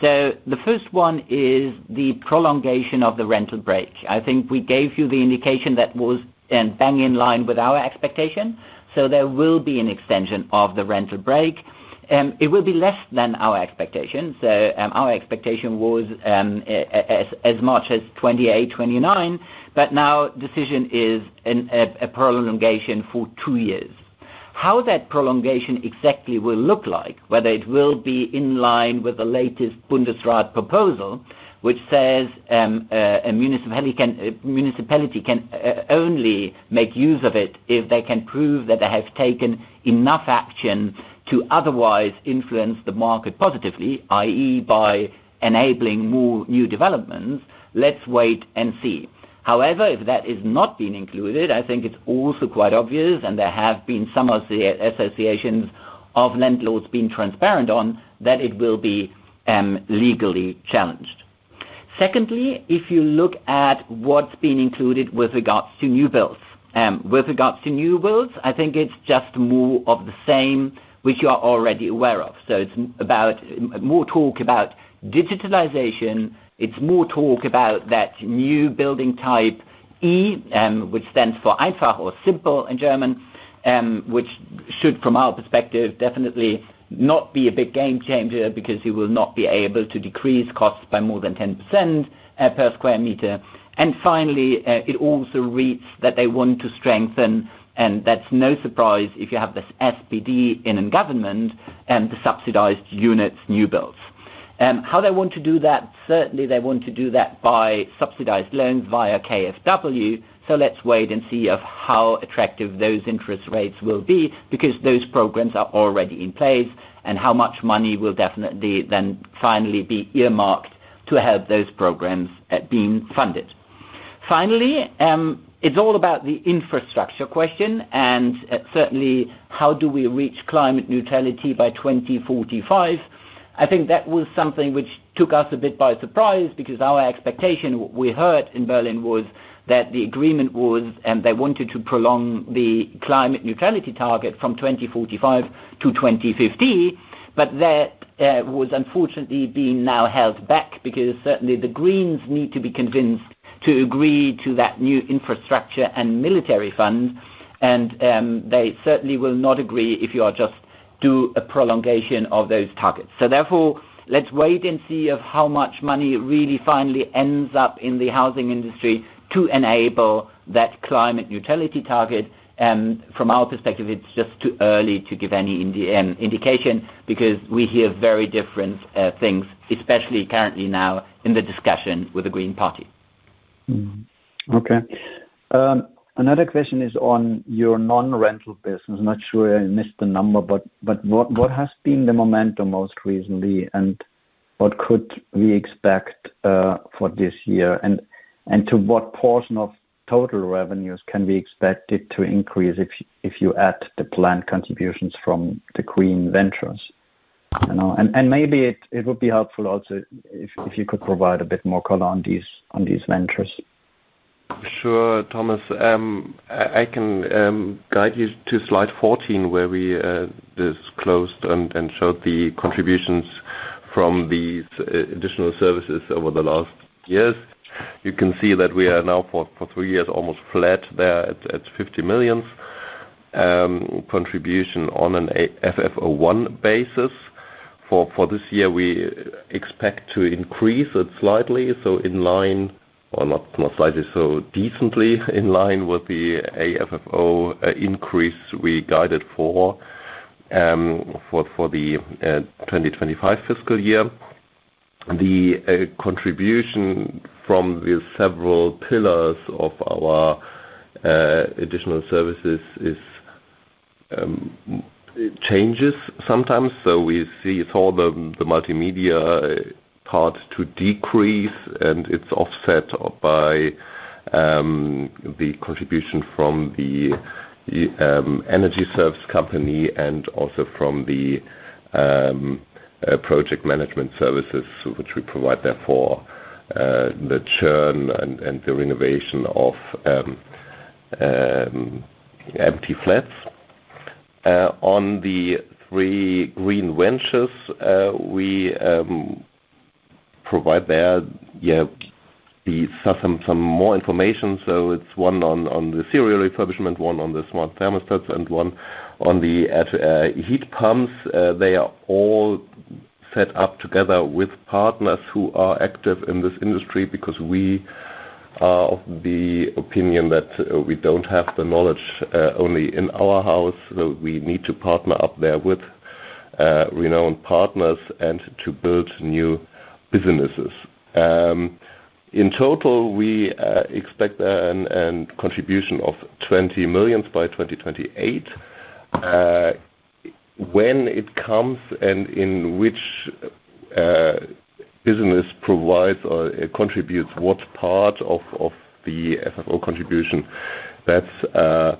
The first one is the prolongation of the rental break. I think we gave you the indication that was bang in line with our expectation. There will be an extension of the rental break. It will be less than our expectation. Our expectation was as much as 28, 29, but now the decision is a prolongation for two years. How that prolongation exactly will look like, whether it will be in line with the latest Bundesrat proposal, which says a municipality can only make use of it if they can prove that they have taken enough action to otherwise influence the market positively, i.e., by enabling more new developments, let's wait and see. However, if that is not being included, I think it's also quite obvious, and there have been some associations of landlords being transparent on that it will be legally challenged. Secondly, if you look at what's being included with regards to new builds, with regards to new builds, I think it's just more of the same, which you are already aware of. It is about more talk about digitalization. It's more talk about that new building type E, which stands for Einfach or simple in German, which should, from our perspective, definitely not be a big game changer because you will not be able to decrease costs by more than 10% per square meter. Finally, it also reads that they want to strengthen, and that's no surprise if you have this SPD in government and the subsidized units, new builds. How they want to do that, certainly they want to do that by subsidized loans via KfW. Let's wait and see how attractive those interest rates will be because those programs are already in place and how much money will definitely then finally be earmarked to help those programs being funded. Finally, it's all about the infrastructure question and certainly how do we reach climate neutrality by 2045. I think that was something which took us a bit by surprise because our expectation we heard in Berlin was that the agreement was and they wanted to prolong the climate neutrality target from 2045 to 2050, but that was unfortunately being now held back because certainly the Greens need to be convinced to agree to that new infrastructure and military fund. They certainly will not agree if you just do a prolongation of those targets. Therefore, let's wait and see how much money really finally ends up in the housing industry to enable that climate neutrality target. From our perspective, it's just too early to give any indication because we hear very different things, especially currently now in the discussion with the Green Party. Okay. Another question is on your non-rental business. I'm not sure I missed the number, but what has been the momentum most recently and what could we expect for this year? To what portion of total revenues can we expect it to increase if you add the planned contributions from the green ventures? Maybe it would be helpful also if you could provide a bit more color on these ventures. Sure, Thomas. I can guide you to slide 14 where we disclosed and showed the contributions from these additional services over the last years. You can see that we are now for three years almost flat there at 50 million contribution on an FFO I basis. For this year, we expect to increase it slightly. In line, or not slightly, decently in line with the AFFO increase we guided for the 2025 fiscal year. The contribution from the several pillars of our additional services changes sometimes. We see all the multimedia part to decrease, and it is offset by the contribution from the energy service company and also from the project management services, which we provide there for the churn and the renovation of empty flats. On the three green ventures, we provide there some more information. It is one on the serial refurbishment, one on the smart thermostats, and one on the heat pumps. They are all set up together with partners who are active in this industry because we are of the opinion that we do not have the knowledge only in our house. We need to partner up there with renowned partners and to build new businesses. In total, we expect a contribution of 20 million by 2028. When it comes and in which business provides or contributes what part of the FFO contribution, that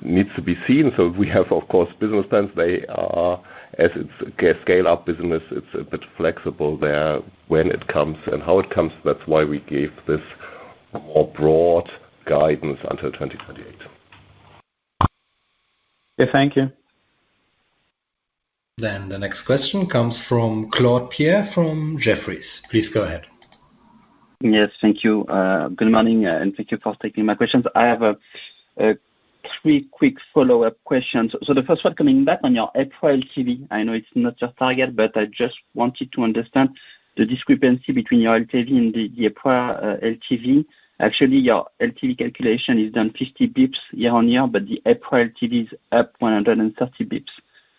needs to be seen. We have, of course, business plans. They are, as it's a scale-up business, a bit flexible there when it comes and how it comes. That's why we give this more broad guidance until 2028. Yeah, thank you. The next question comes from Clouard Pierre from Jefferies. Please go ahead. Yes, thank you. Good morning, and thank you for taking my questions. I have three quick follow-up questions. The first one coming back on your EPRA LTV, I know it's not your target, but I just wanted to understand the discrepancy between your LTV and the EPRA LTV. Actually, your LTV calculation is down 50 basis points year on year, but the EPRA LTV is up 130 basis points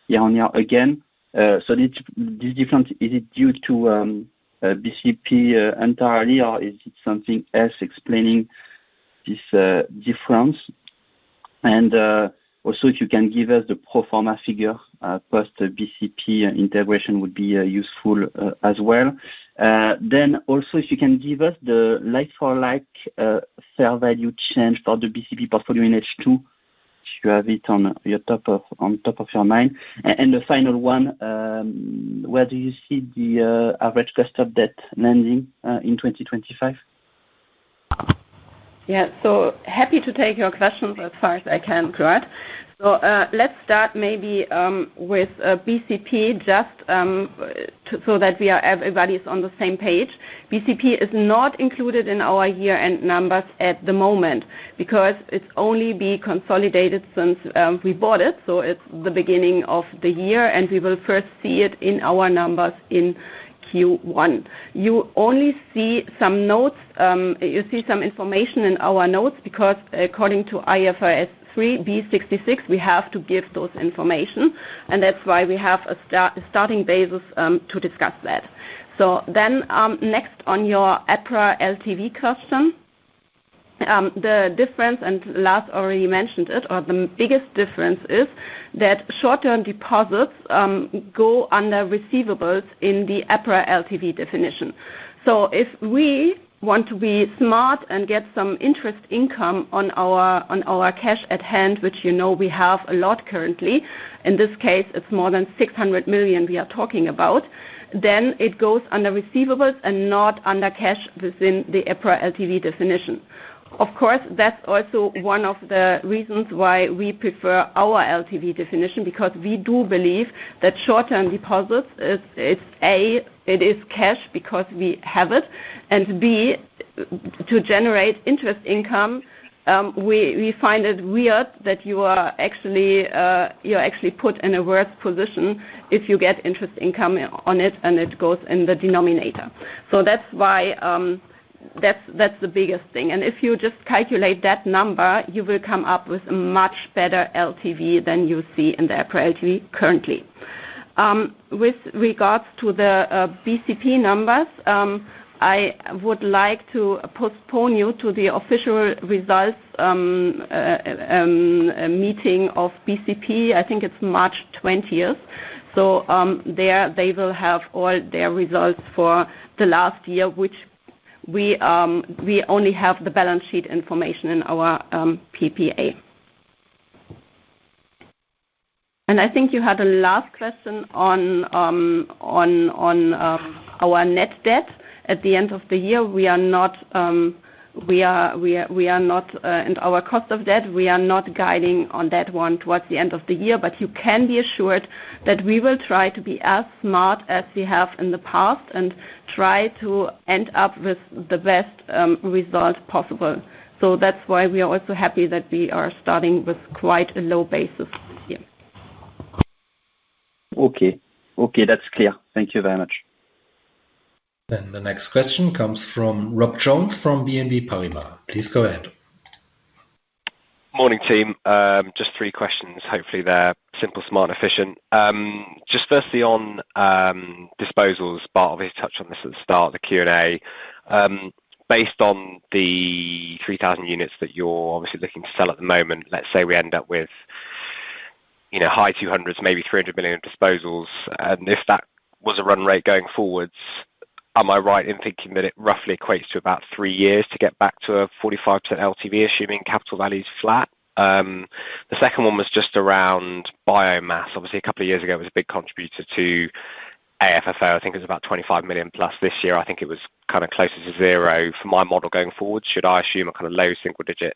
year on year again. This difference, is it due to BCP entirely, or is it something else explaining this difference? If you can give us the pro forma figure, post-BCP integration would be useful as well. If you can give us the like-for-like fair value change for the BCP portfolio in H2, if you have it on the top of your mind. The final one, where do you see the average cost of debt lending in 2025? Yeah. Happy to take your questions as far as I can, Claude. Let's start maybe with BCP just so that everybody is on the same page. BCP is not included in our year-end numbers at the moment because it has only been consolidated since we bought it. It is the beginning of the year, and we will first see it in our numbers in Q1. You only see some notes; you see some information in our notes because according to IFRS 3 B66, we have to give those information. That is why we have a starting basis to discuss that. Next, on your EPRA LTV question, the difference, and Lars already mentioned it, or the biggest difference is that short-term deposits go under receivables in the EPRA LTV definition. If we want to be smart and get some interest income on our cash at hand, which we have a lot currently, in this case, it is more than 600 million we are talking about, then it goes under receivables and not under cash within the EPRA LTV definition. Of course, that's also one of the reasons why we prefer our LTV definition because we do believe that short-term deposits, it's A, it is cash because we have it, and B, to generate interest income, we find it weird that you are actually put in a worse position if you get interest income on it and it goes in the denominator. That's why that's the biggest thing. If you just calculate that number, you will come up with a much better LTV than you see in the EPRA LTV currently. With regards to the BCP numbers, I would like to postpone you to the official results meeting of BCP. I think it's March 20th. There they will have all their results for the last year, which we only have the balance sheet information in our PPA. I think you had a last question on our net debt at the end of the year. We are not in our cost of debt; we are not guiding on that one towards the end of the year, but you can be assured that we will try to be as smart as we have in the past and try to end up with the best result possible. That is why we are also happy that we are starting with quite a low basis here. Okay. Okay, that is clear. Thank you very much. The next question comes from Rob Jones from BNP Paribas. Please go ahead. Morning, team. Just three questions. Hopefully, they are simple, smart, and efficient. Just firstly on disposals, Bart already touched on this at the start of the Q&A. Based on the 3,000 units that you're obviously looking to sell at the moment, let's say we end up with high 200s, maybe 300 million disposals. If that was a run rate going forwards, am I right in thinking that it roughly equates to about three years to get back to a 45% LTV, assuming capital value is flat? The second one was just around biomass. Obviously, a couple of years ago, it was a big contributor to AFFO. I think it was about 25 million plus this year. I think it was kind of closer to zero for my model going forward. Should I assume a kind of low single-digit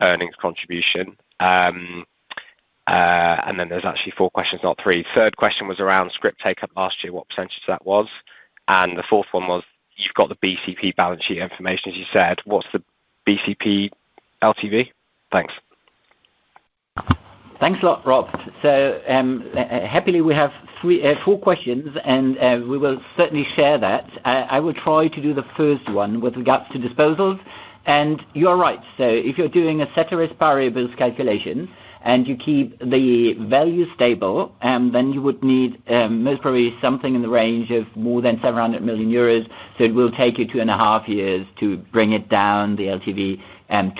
earnings contribution? There are actually four questions, not three. Third question was around script take-up last year, what % that was. The fourth one was, you've got the BCP balance sheet information, as you said. What's the BCP LTV? Thanks. Thanks a lot, Rob. Happily, we have four questions, and we will certainly share that. I will try to do the first one with regards to disposals. You are right. If you're doing a set of variables calculation and you keep the value stable, then you would need most probably something in the range of more than 700 million euros. It will take you two and a half years to bring it down, the LTV,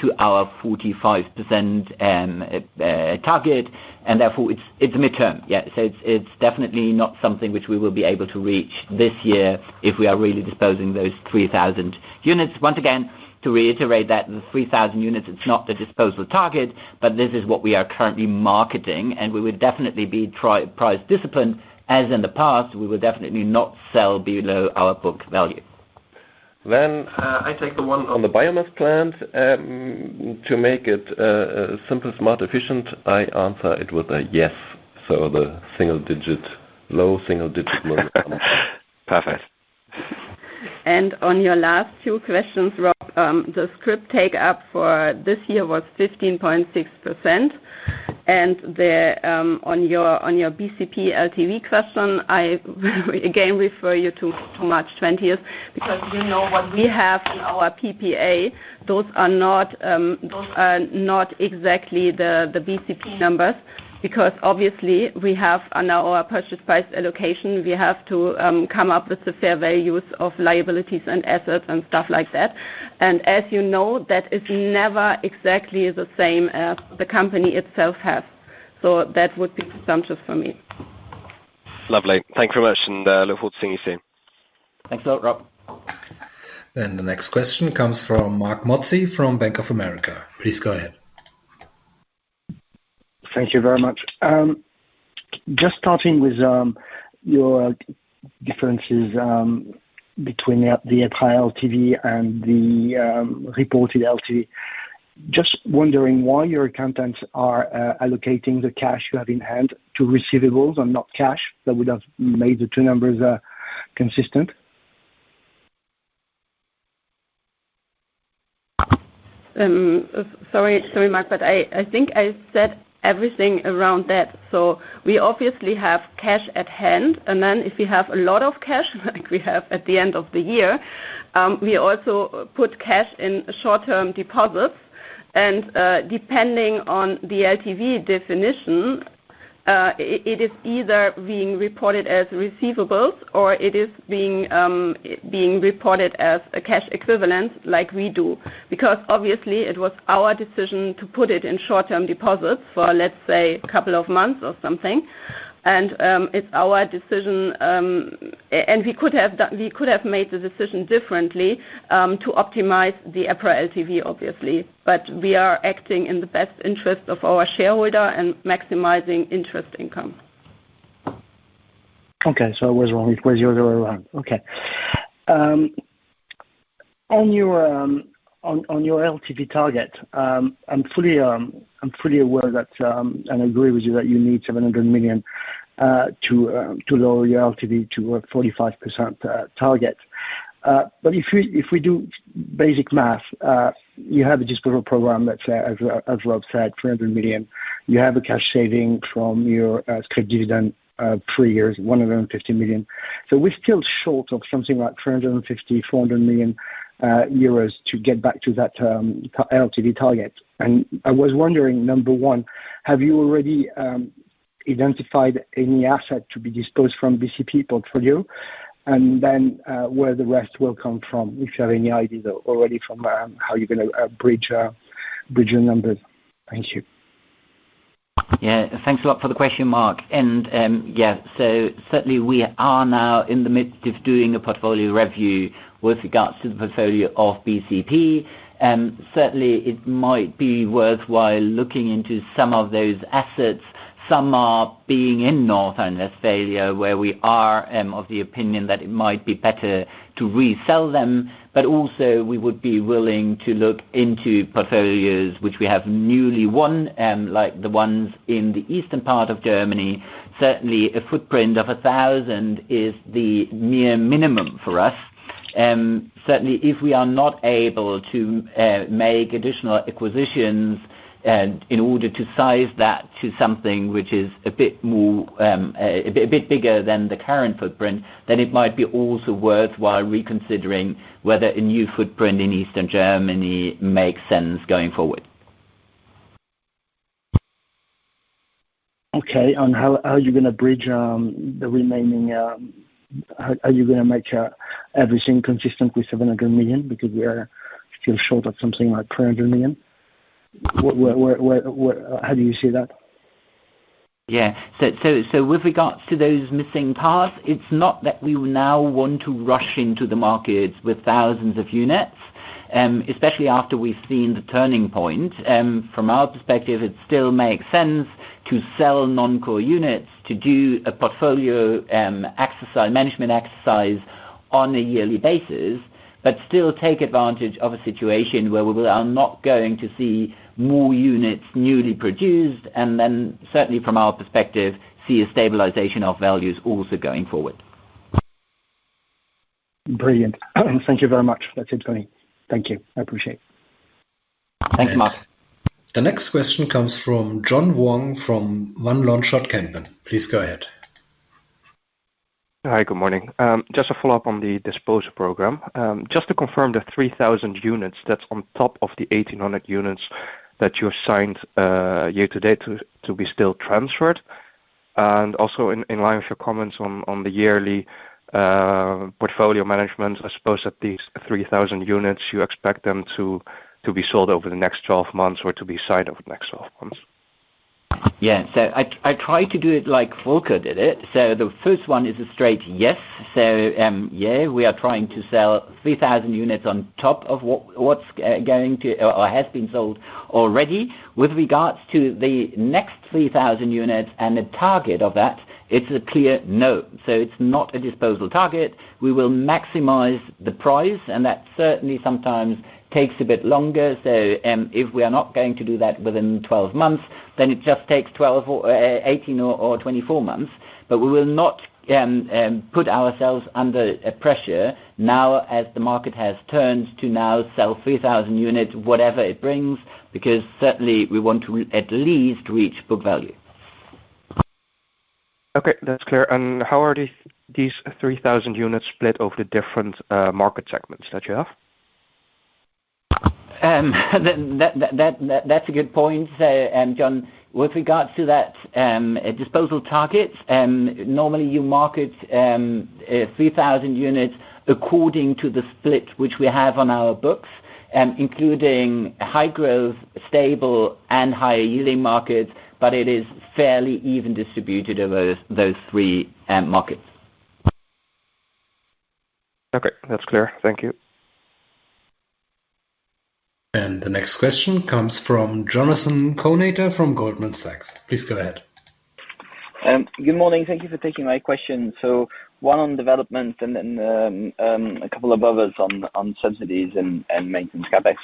to our 45% target. Therefore, it's midterm. Yeah. It's definitely not something which we will be able to reach this year if we are really disposing those 3,000 units. Once again, to reiterate that the 3,000 units, it's not the disposal target, but this is what we are currently marketing. We would definitely be price disciplined. As in the past, we will definitely not sell below our book value. I take the one on the biomass plant. To make it simple, smart, efficient, I answer it with a yes. The single-digit, low single-digit monthly. Perfect. On your last two questions, Rob, the script take-up for this year was 15.6%. On your BCP LTV question, I again refer you to March 20 because you know what we have in our PPA, those are not exactly the BCP numbers because obviously, we have on our purchase price allocation, we have to come up with the fair values of liabilities and assets and stuff like that. As you know, that is never exactly the same as the company itself has. That would be presumptive for me. Lovely. Thank you very much, and look forward to seeing you soon. Thanks a lot, Rob. The next question comes from Marc Mozzi from Bank of America. Please go ahead. Thank you very much. Just starting with your differences between the EPRA LTV and the reported LTV. Just wondering why your accountants are allocating the cash you have in hand to receivables and not cash. That would have made the two numbers consistent. Sorry, Mark, but I think I said everything around that. We obviously have cash at hand, and then if we have a lot of cash, like we have at the end of the year, we also put cash in short-term deposits. Depending on the LTV definition, it is either being reported as receivables or it is being reported as a cash equivalent like we do. Because obviously, it was our decision to put it in short-term deposits for, let's say, a couple of months or something. It is our decision. We could have made the decision differently to optimize the LTV, obviously. We are acting in the best interest of our shareholder and maximizing interest income. Okay. I was wrong. It was receivables all along. On your LTV target, I am fully aware that and I agree with you that you need 700 million to lower your LTV to a 45% target. If we do basic math, you have a disposal program that is there, as Rob said, 300 million. You have a cash saving from your scrip dividend of three years, 150 million. We are still short of something like 350-400 million euros to get back to that LTV target. I was wondering, number one, have you already identified any asset to be disposed from BCP portfolio? And then where the rest will come from? How are you going to bridge the remaining? Thank you. Yeah. Thanks a lot for the question, Mark. Yeah, certainly, we are now in the midst of doing a portfolio review with regards to the portfolio of BCP. Certainly, it might be worthwhile looking into some of those assets. Some are being in North Rhine-Westphalia, where we are of the opinion that it might be better to resell them. Also, we would be willing to look into portfolios which we have newly won, like the ones in the eastern part of Germany. Certainly, a footprint of 1,000 is the near minimum for us. Certainly, if we are not able to make additional acquisitions in order to size that to something which is a bit bigger than the current footprint, then it might be also worthwhile reconsidering whether a new footprint in eastern Germany makes sense going forward. Okay. How are you going to bridge the remaining? How are you going to make everything consistent with 700 million because we are still short of something like 300 million? How do you see that? Yeah. With regards to those missing parts, it's not that we now want to rush into the markets with thousands of units, especially after we've seen the turning point. From our perspective, it still makes sense to sell non-core units, to do a portfolio management exercise on a yearly basis, but still take advantage of a situation where we are not going to see more units newly produced, and then certainly, from our perspective, see a stabilization of values also going forward. Brilliant. Thank you very much. That's it for me. Thank you. I appreciate it. Thanks, Mark. The next question comes from John Wong from Van Lanschot Kempen. Please go ahead. Hi, good morning. Just a follow-up on the disposal program. Just to confirm the 3,000 units, that's on top of the 1,800 units that you assigned year to date to be still transferred. Also, in line with your comments on the yearly portfolio management, I suppose that these 3,000 units, you expect them to be sold over the next 12 months or to be signed over the next 12 months? Yeah. I tried to do it like Volker did it. The first one is a straight yes. Yeah, we are trying to sell 3,000 units on top of what is going to or has been sold already. With regards to the next 3,000 units and the target of that, it is a clear no. It is not a disposal target. We will maximize the price, and that certainly sometimes takes a bit longer. If we are not going to do that within 12 months, then it just takes 18 or 24 months. We will not put ourselves under pressure now as the market has turned to now sell 3,000 units, whatever it brings, because certainly, we want to at least reach book value. Okay. That is clear. How are these 3,000 units split over the different market segments that you have? That is a good point. John, with regards to that disposal target, normally you market 3,000 units according to the split which we have on our books, including high growth, stable, and higher yielding markets, but it is fairly evenly distributed over those three markets. Okay. That is clear. Thank you. The next question comes from Jonathan Kownator from Goldman Sachs. Please go ahead. Good morning. Thank you for taking my question. One on development and then a couple of others on subsidies and maintenance CapEx.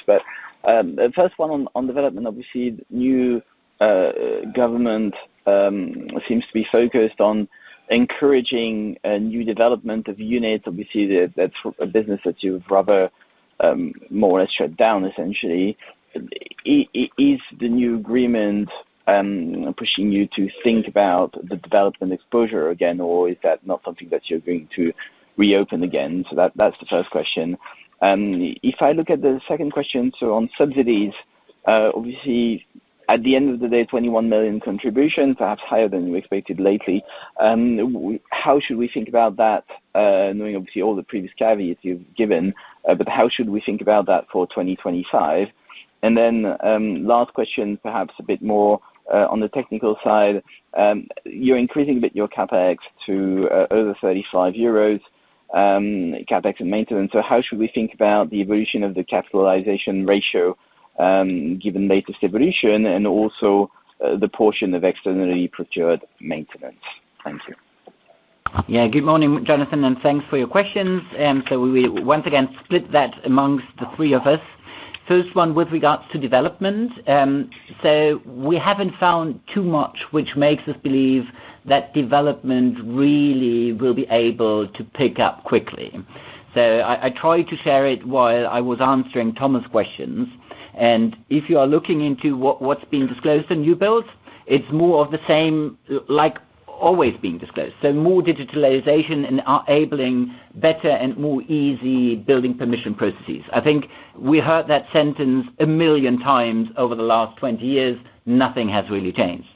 The first one on development, obviously, new government seems to be focused on encouraging new development of units. Obviously, that's a business that you've rather more or less shut down, essentially. Is the new agreement pushing you to think about the development exposure again, or is that not something that you're going to reopen again? That's the first question. If I look at the second question, on subsidies, obviously, at the end of the day, 21 million contribution, perhaps higher than you expected lately. How should we think about that, knowing obviously all the previous caveats you've given? How should we think about that for 2025? Last question, perhaps a bit more on the technical side. You're increasing a bit your CapEx to over 35 euros, CapEx and maintenance. How should we think about the evolution of the capitalization ratio given latest evolution and also the portion of externally procured maintenance? Thank you. Yeah. Good morning, Jonathan, and thanks for your questions. We will once again split that amongst the three of us. First one with regards to development. We have not found too much which makes us believe that development really will be able to pick up quickly. I tried to share it while I was answering Thomas' questions. If you are looking into what is being disclosed in new builds, it is more of the same like always being disclosed. More digitalization and enabling better and more easy building permission processes. I think we heard that sentence a million times over the last 20 years. Nothing has really changed.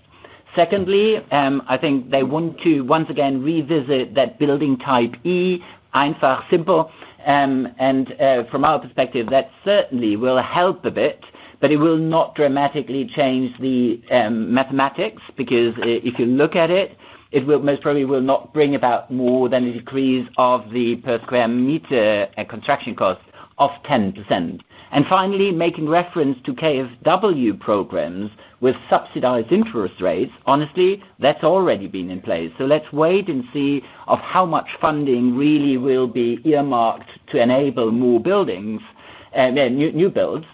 Secondly, I think they want to once again revisit that building type E, Einfach, simple. From our perspective, that certainly will help a bit, but it will not dramatically change the mathematics because if you look at it, it most probably will not bring about more than a decrease of the per square meter construction cost of 10%. Finally, making reference to KfW programs with subsidized interest rates, honestly, that's already been in place. Let's wait and see how much funding really will be earmarked to enable more buildings, new builds.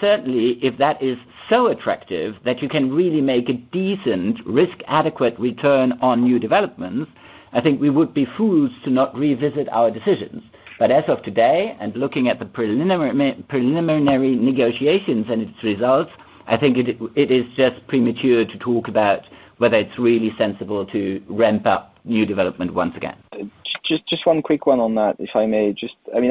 Certainly, if that is so attractive that you can really make a decent risk-adequate return on new developments, I think we would be fools to not revisit our decisions. As of today, and looking at the preliminary negotiations and its results, I think it is just premature to talk about whether it's really sensible to ramp up new development once again. Just one quick one on that, if I may. Just, I mean,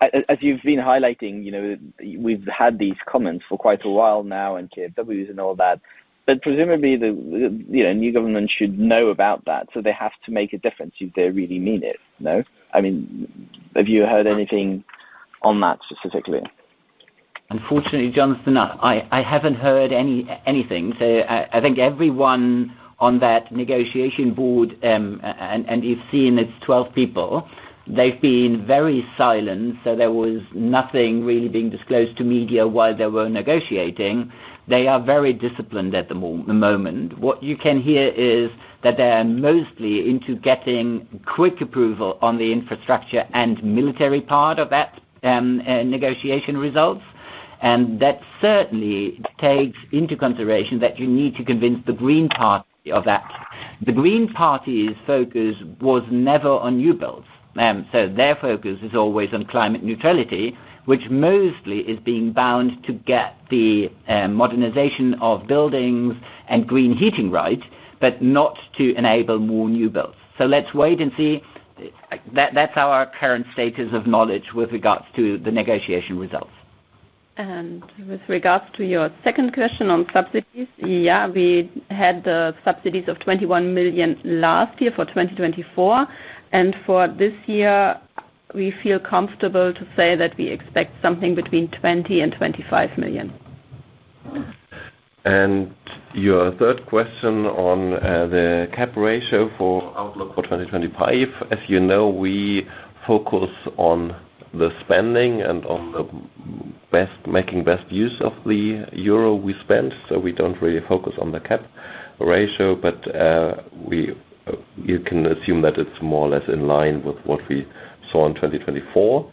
obviously, as you've been highlighting, we've had these comments for quite a while now on KfW and all that. Presumably, the new government should know about that. They have to make a difference if they really mean it. I mean, have you heard anything on that specifically? Unfortunately, Jonathan, I haven't heard anything. I think everyone on that negotiation board, and you've seen it's 12 people, they've been very silent. There was nothing really being disclosed to media while they were negotiating. They are very disciplined at the moment. What you can hear is that they are mostly into getting quick approval on the infrastructure and military part of that negotiation results. That certainly takes into consideration that you need to convince the Green Party of that. The Green Party's focus was never on new builds. Their focus is always on climate neutrality, which mostly is being bound to get the modernization of buildings and green heating rights, but not to enable more new builds. Let's wait and see. That is our current status of knowledge with regards to the negotiation results. With regards to your second question on subsidies, we had the subsidies of 21 million last year for 2024. For this year, we feel comfortable to say that we expect something between 20 million and 25 million. Your third question on the CapEx ratio for outlook for 2025, as you know, we focus on the spending and on making best use of the euro we spend. We do not really focus on the CapEx ratio, but you can assume that it is more or less in line with what we saw in 2024.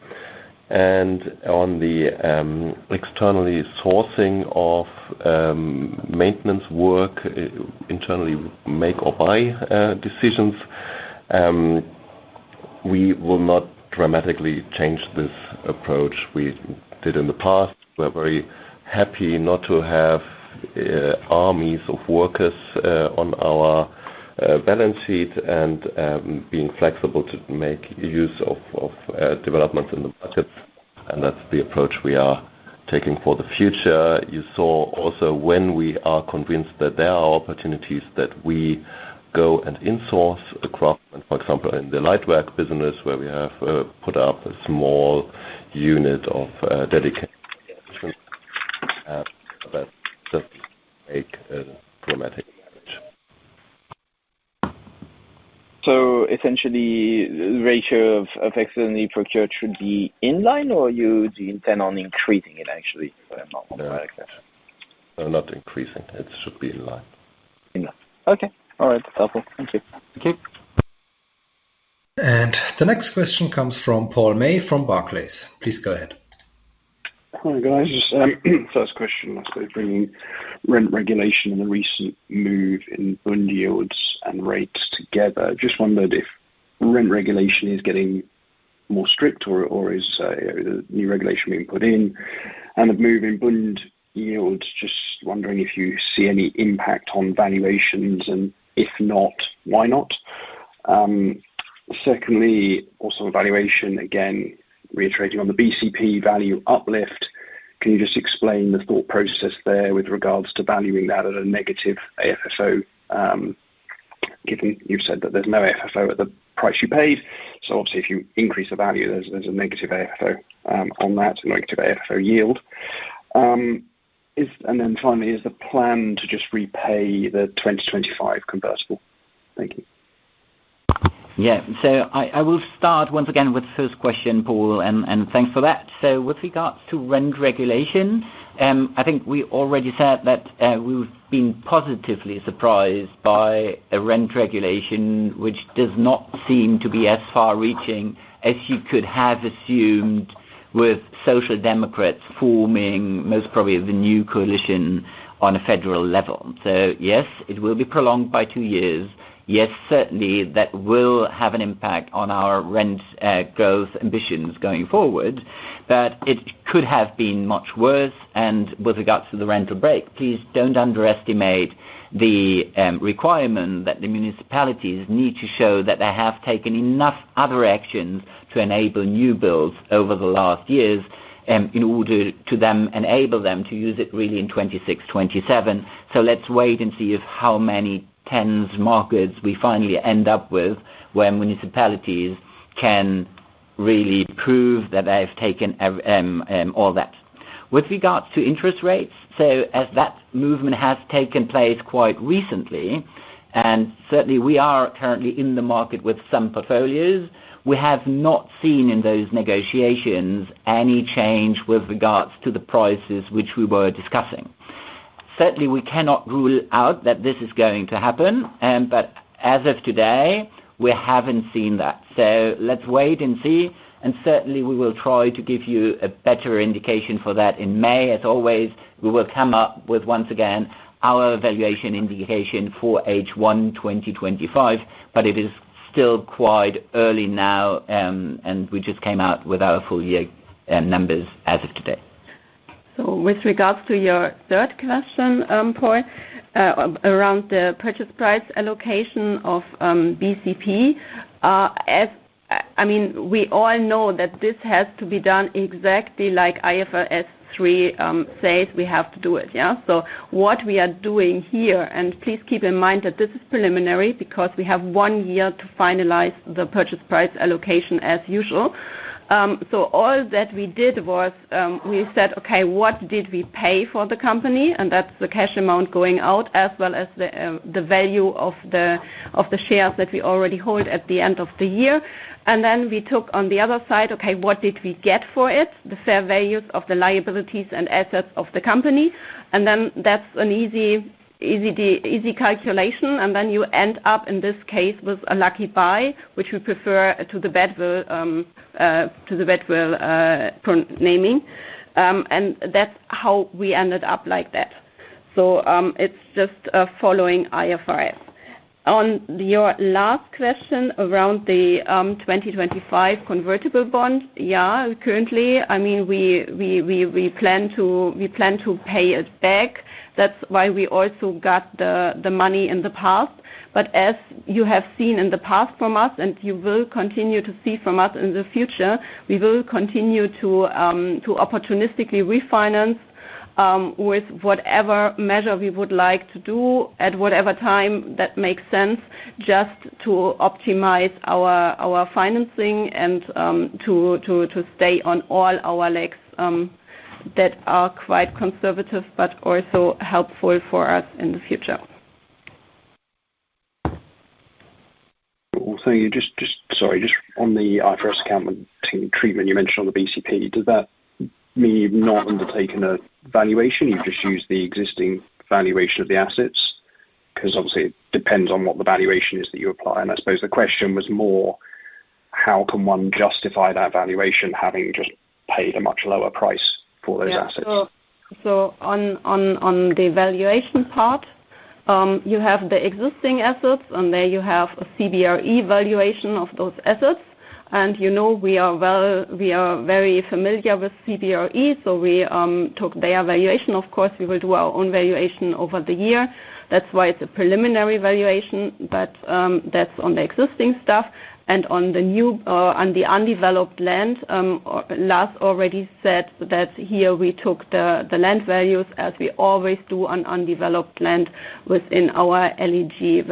On the externally sourcing of maintenance work, internally make or buy decisions, we will not dramatically change this approach we did in the past. We are very happy not to have armies of workers on our balance sheet and being flexible to make use of developments in the markets. That is the approach we are taking for the future. You saw also when we are convinced that there are opportunities that we go and insource across, for example, in the light work business, where we have put up a small unit of dedicated management, that does not make a dramatic change. Essentially, the ratio of externally procured should be inline, or you intend on increasing it actually? I am not quite sure. No, not increasing. It should be inline. Inline. Okay. All right. That's helpful. Thank you. Thank you. The next question comes from Paul May from Barclays. Please go ahead. Hi guys. First question, I suppose, bringing rent regulation and the recent move in bond yields and rates together. Just wondered if rent regulation is getting more strict or is a new regulation being put in and a move in bond yields, just wondering if you see any impact on valuations and if not, why not? Secondly, also evaluation, again, reiterating on the BCP value uplift, can you just explain the thought process there with regards to valuing that at a negative AFFO, given you've said that there's no AFFO at the price you paid? Obviously, if you increase the value, there's a negative AFFO on that, a negative AFFO yield. Finally, is the plan to just repay the 2025 convertible? Thank you. Yeah. I will start once again with the first question, Paul, and thanks for that. With regards to rent regulation, I think we already said that we've been positively surprised by a rent regulation which does not seem to be as far-reaching as you could have assumed with Social Democrats forming most probably the new coalition on a federal level. Yes, it will be prolonged by two years. Yes, certainly, that will have an impact on our rent growth ambitions going forward, but it could have been much worse. With regards to the rental break, please do not underestimate the requirement that the municipalities need to show that they have taken enough other actions to enable new builds over the last years in order to then enable them to use it really in 2026, 2027. Let's wait and see how many tens of markets we finally end up with where municipalities can really prove that they have taken all that. With regards to interest rates, as that movement has taken place quite recently, and certainly, we are currently in the market with some portfolios, we have not seen in those negotiations any change with regards to the prices which we were discussing. Certainly, we cannot rule out that this is going to happen, but as of today, we have not seen that. Let's wait and see. Certainly, we will try to give you a better indication for that in May. As always, we will come up with, once again, our evaluation indication for H1 2025, but it is still quite early now, and we just came out with our full year numbers as of today. With regards to your third question, Paul, around the purchase price allocation of BCP, I mean, we all know that this has to be done exactly like IFRS 3 says, we have to do it. Yeah? What we are doing here, and please keep in mind that this is preliminary because we have one year to finalize the purchase price allocation as usual. All that we did was we said, okay, what did we pay for the company? That's the cash amount going out as well as the value of the shares that we already hold at the end of the year. We took on the other side, okay, what did we get for it, the fair values of the liabilities and assets of the company? That's an easy calculation. You end up in this case with a lucky buy, which we prefer to the bad will naming. That's how we ended up like that. It is just following IFRS. On your last question around the 2025 convertible bond, yeah, currently, I mean, we plan to pay it back. That's why we also got the money in the past. As you have seen in the past from us, and you will continue to see from us in the future, we will continue to opportunistically refinance with whatever measure we would like to do at whatever time that makes sense, just to optimize our financing and to stay on all our legs that are quite conservative, but also helpful for us in the future. Also, sorry, just on the IFRS account treatment you mentioned on the BCP, does that mean you've not undertaken a valuation? You've just used the existing valuation of the assets? Because obviously, it depends on what the valuation is that you apply. I suppose the question was more, how can one justify that valuation having just paid a much lower price for those assets? Yeah. On the valuation part, you have the existing assets, and there you have a CBRE valuation of those assets. We are very familiar with CBRE, so we took their valuation. Of course, we will do our own valuation over the year. That is why it is a preliminary valuation, but that is on the existing stuff. On the undeveloped land, Lars already said that here we took the land values, as we always do on undeveloped land within our LEG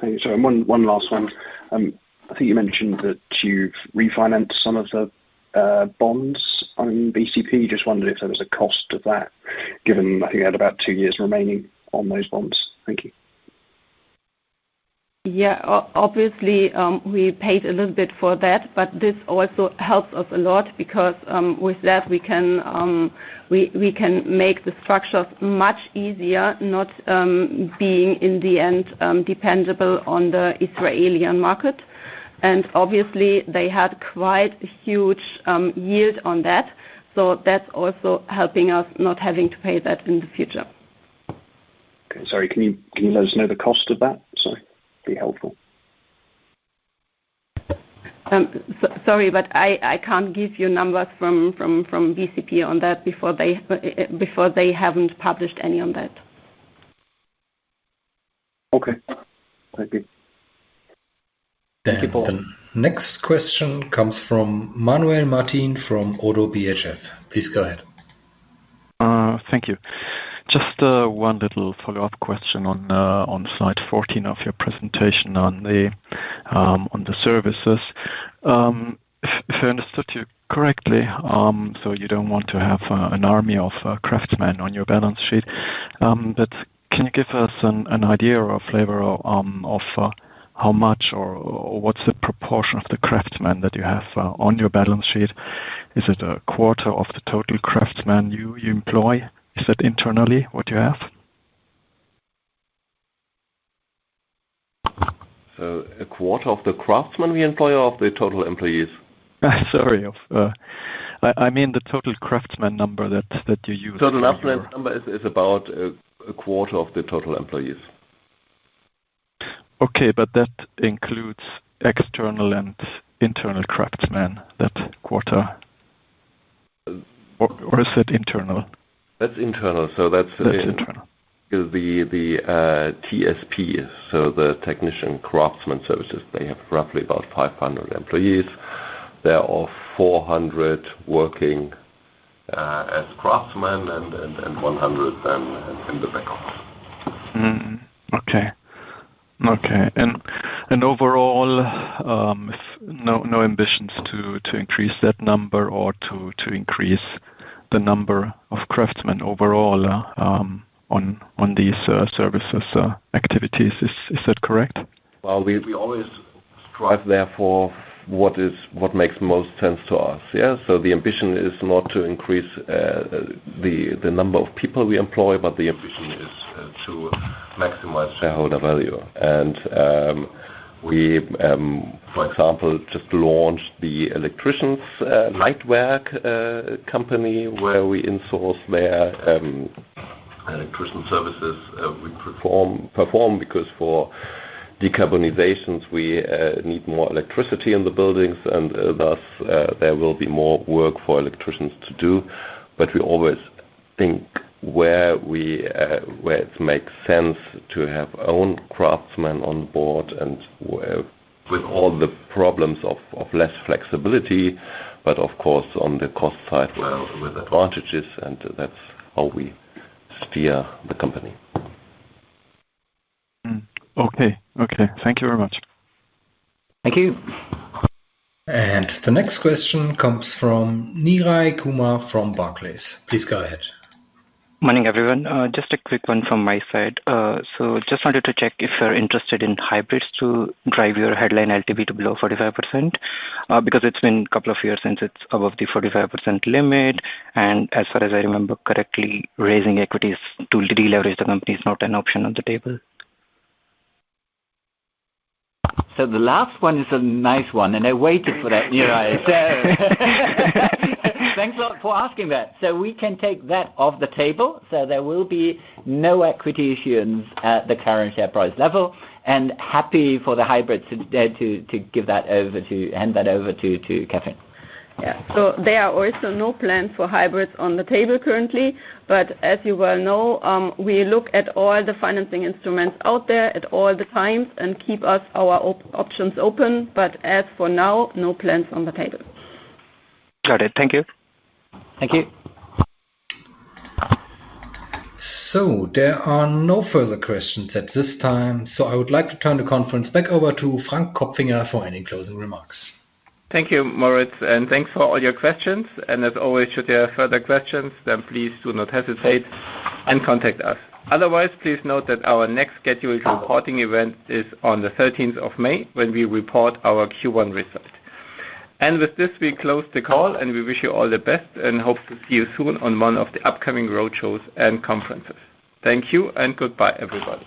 valuations. Sorry, one last one. I think you mentioned that you have refinanced some of the bonds on BCP. Just wondered if there was a cost of that, given I think you had about two years remaining on those bonds. Thank you. Yeah. Obviously, we paid a little bit for that, but this also helps us a lot because with that, we can make the structures much easier, not being in the end dependable on the Israeli market. Obviously, they had quite a huge yield on that. That's also helping us not having to pay that in the future. Okay. Sorry, can you let us know the cost of that? Sorry. Be helpful. Sorry, but I can't give you numbers from BCP on that before they haven't published any on that. Okay. Thank you. Thank you, Paul. Next question comes from Manuel Martin from ODDO BHF. Please go ahead. Thank you. Just one little follow-up question on slide 14 of your presentation on the services. If I understood you correctly, you do not want to have an army of craftsmen on your balance sheet, but can you give us an idea or a flavor of how much or what is the proportion of the craftsmen that you have on your balance sheet? Is it a quarter of the total craftsmen you employ? Is that internally what you have? A quarter of the craftsmen we employ or of the total employees? Sorry. I mean the total craftsmen number that you use. Total craftsmen number is about a quarter of the total employees. Okay. That includes external and internal craftsmen, that quarter? Or is it internal? That is internal. That is internal. The TSP, so the technician craftsmen services, they have roughly about 500 employees. They are all 400 working as craftsmen and 100 then in the back office. Okay. Okay. Overall, no ambitions to increase that number or to increase the number of craftsmen overall on these services activities. Is that correct? We always strive there for what makes most sense to us. Yeah? The ambition is not to increase the number of people we employ, but the ambition is to maximize shareholder value. For example, we just launched the electricians' light work company where we insource their electrician services. We perform because for decarbonizations, we need more electricity in the buildings, and thus there will be more work for electricians to do. We always think where it makes sense to have own craftsmen on board and with all the problems of less flexibility, but of course, on the cost side with advantages, and that is how we steer the company. Okay. Okay. Thank you very much. Thank you. The next question comes from Neeraj Kumar from Barclays. Please go ahead. Morning, everyone. Just a quick one from my side. I just wanted to check if you're interested in hybrids to drive your headline LTV to below 45% because it's been a couple of years since it's above the 45% limit. As far as I remember correctly, raising equities to deleverage the company is not an option on the table. The last one is a nice one, and I waited for that, Neeraj. Thanks a lot for asking that. We can take that off the table. There will be no equity issues at the current share price level. Happy for the hybrids to hand that over to Kathrin. Yeah. There are also no plans for hybrids on the table currently. As you well know, we look at all the financing instruments out there at all times and keep our options open. As for now, no plans on the table. Got it. Thank you. Thank you. There are no further questions at this time. I would like to turn the conference back over to Frank Kopfinger for any closing remarks. Thank you, Moritz. Thanks for all your questions. As always, should you have further questions, then please do not hesitate and contact us. Otherwise, please note that our next scheduled reporting event is on the 13th of May when we report our Q1 result. With this, we close the call, and we wish you all the best and hope to see you soon on one of the upcoming roadshows and conferences. Thank you and goodbye, everybody.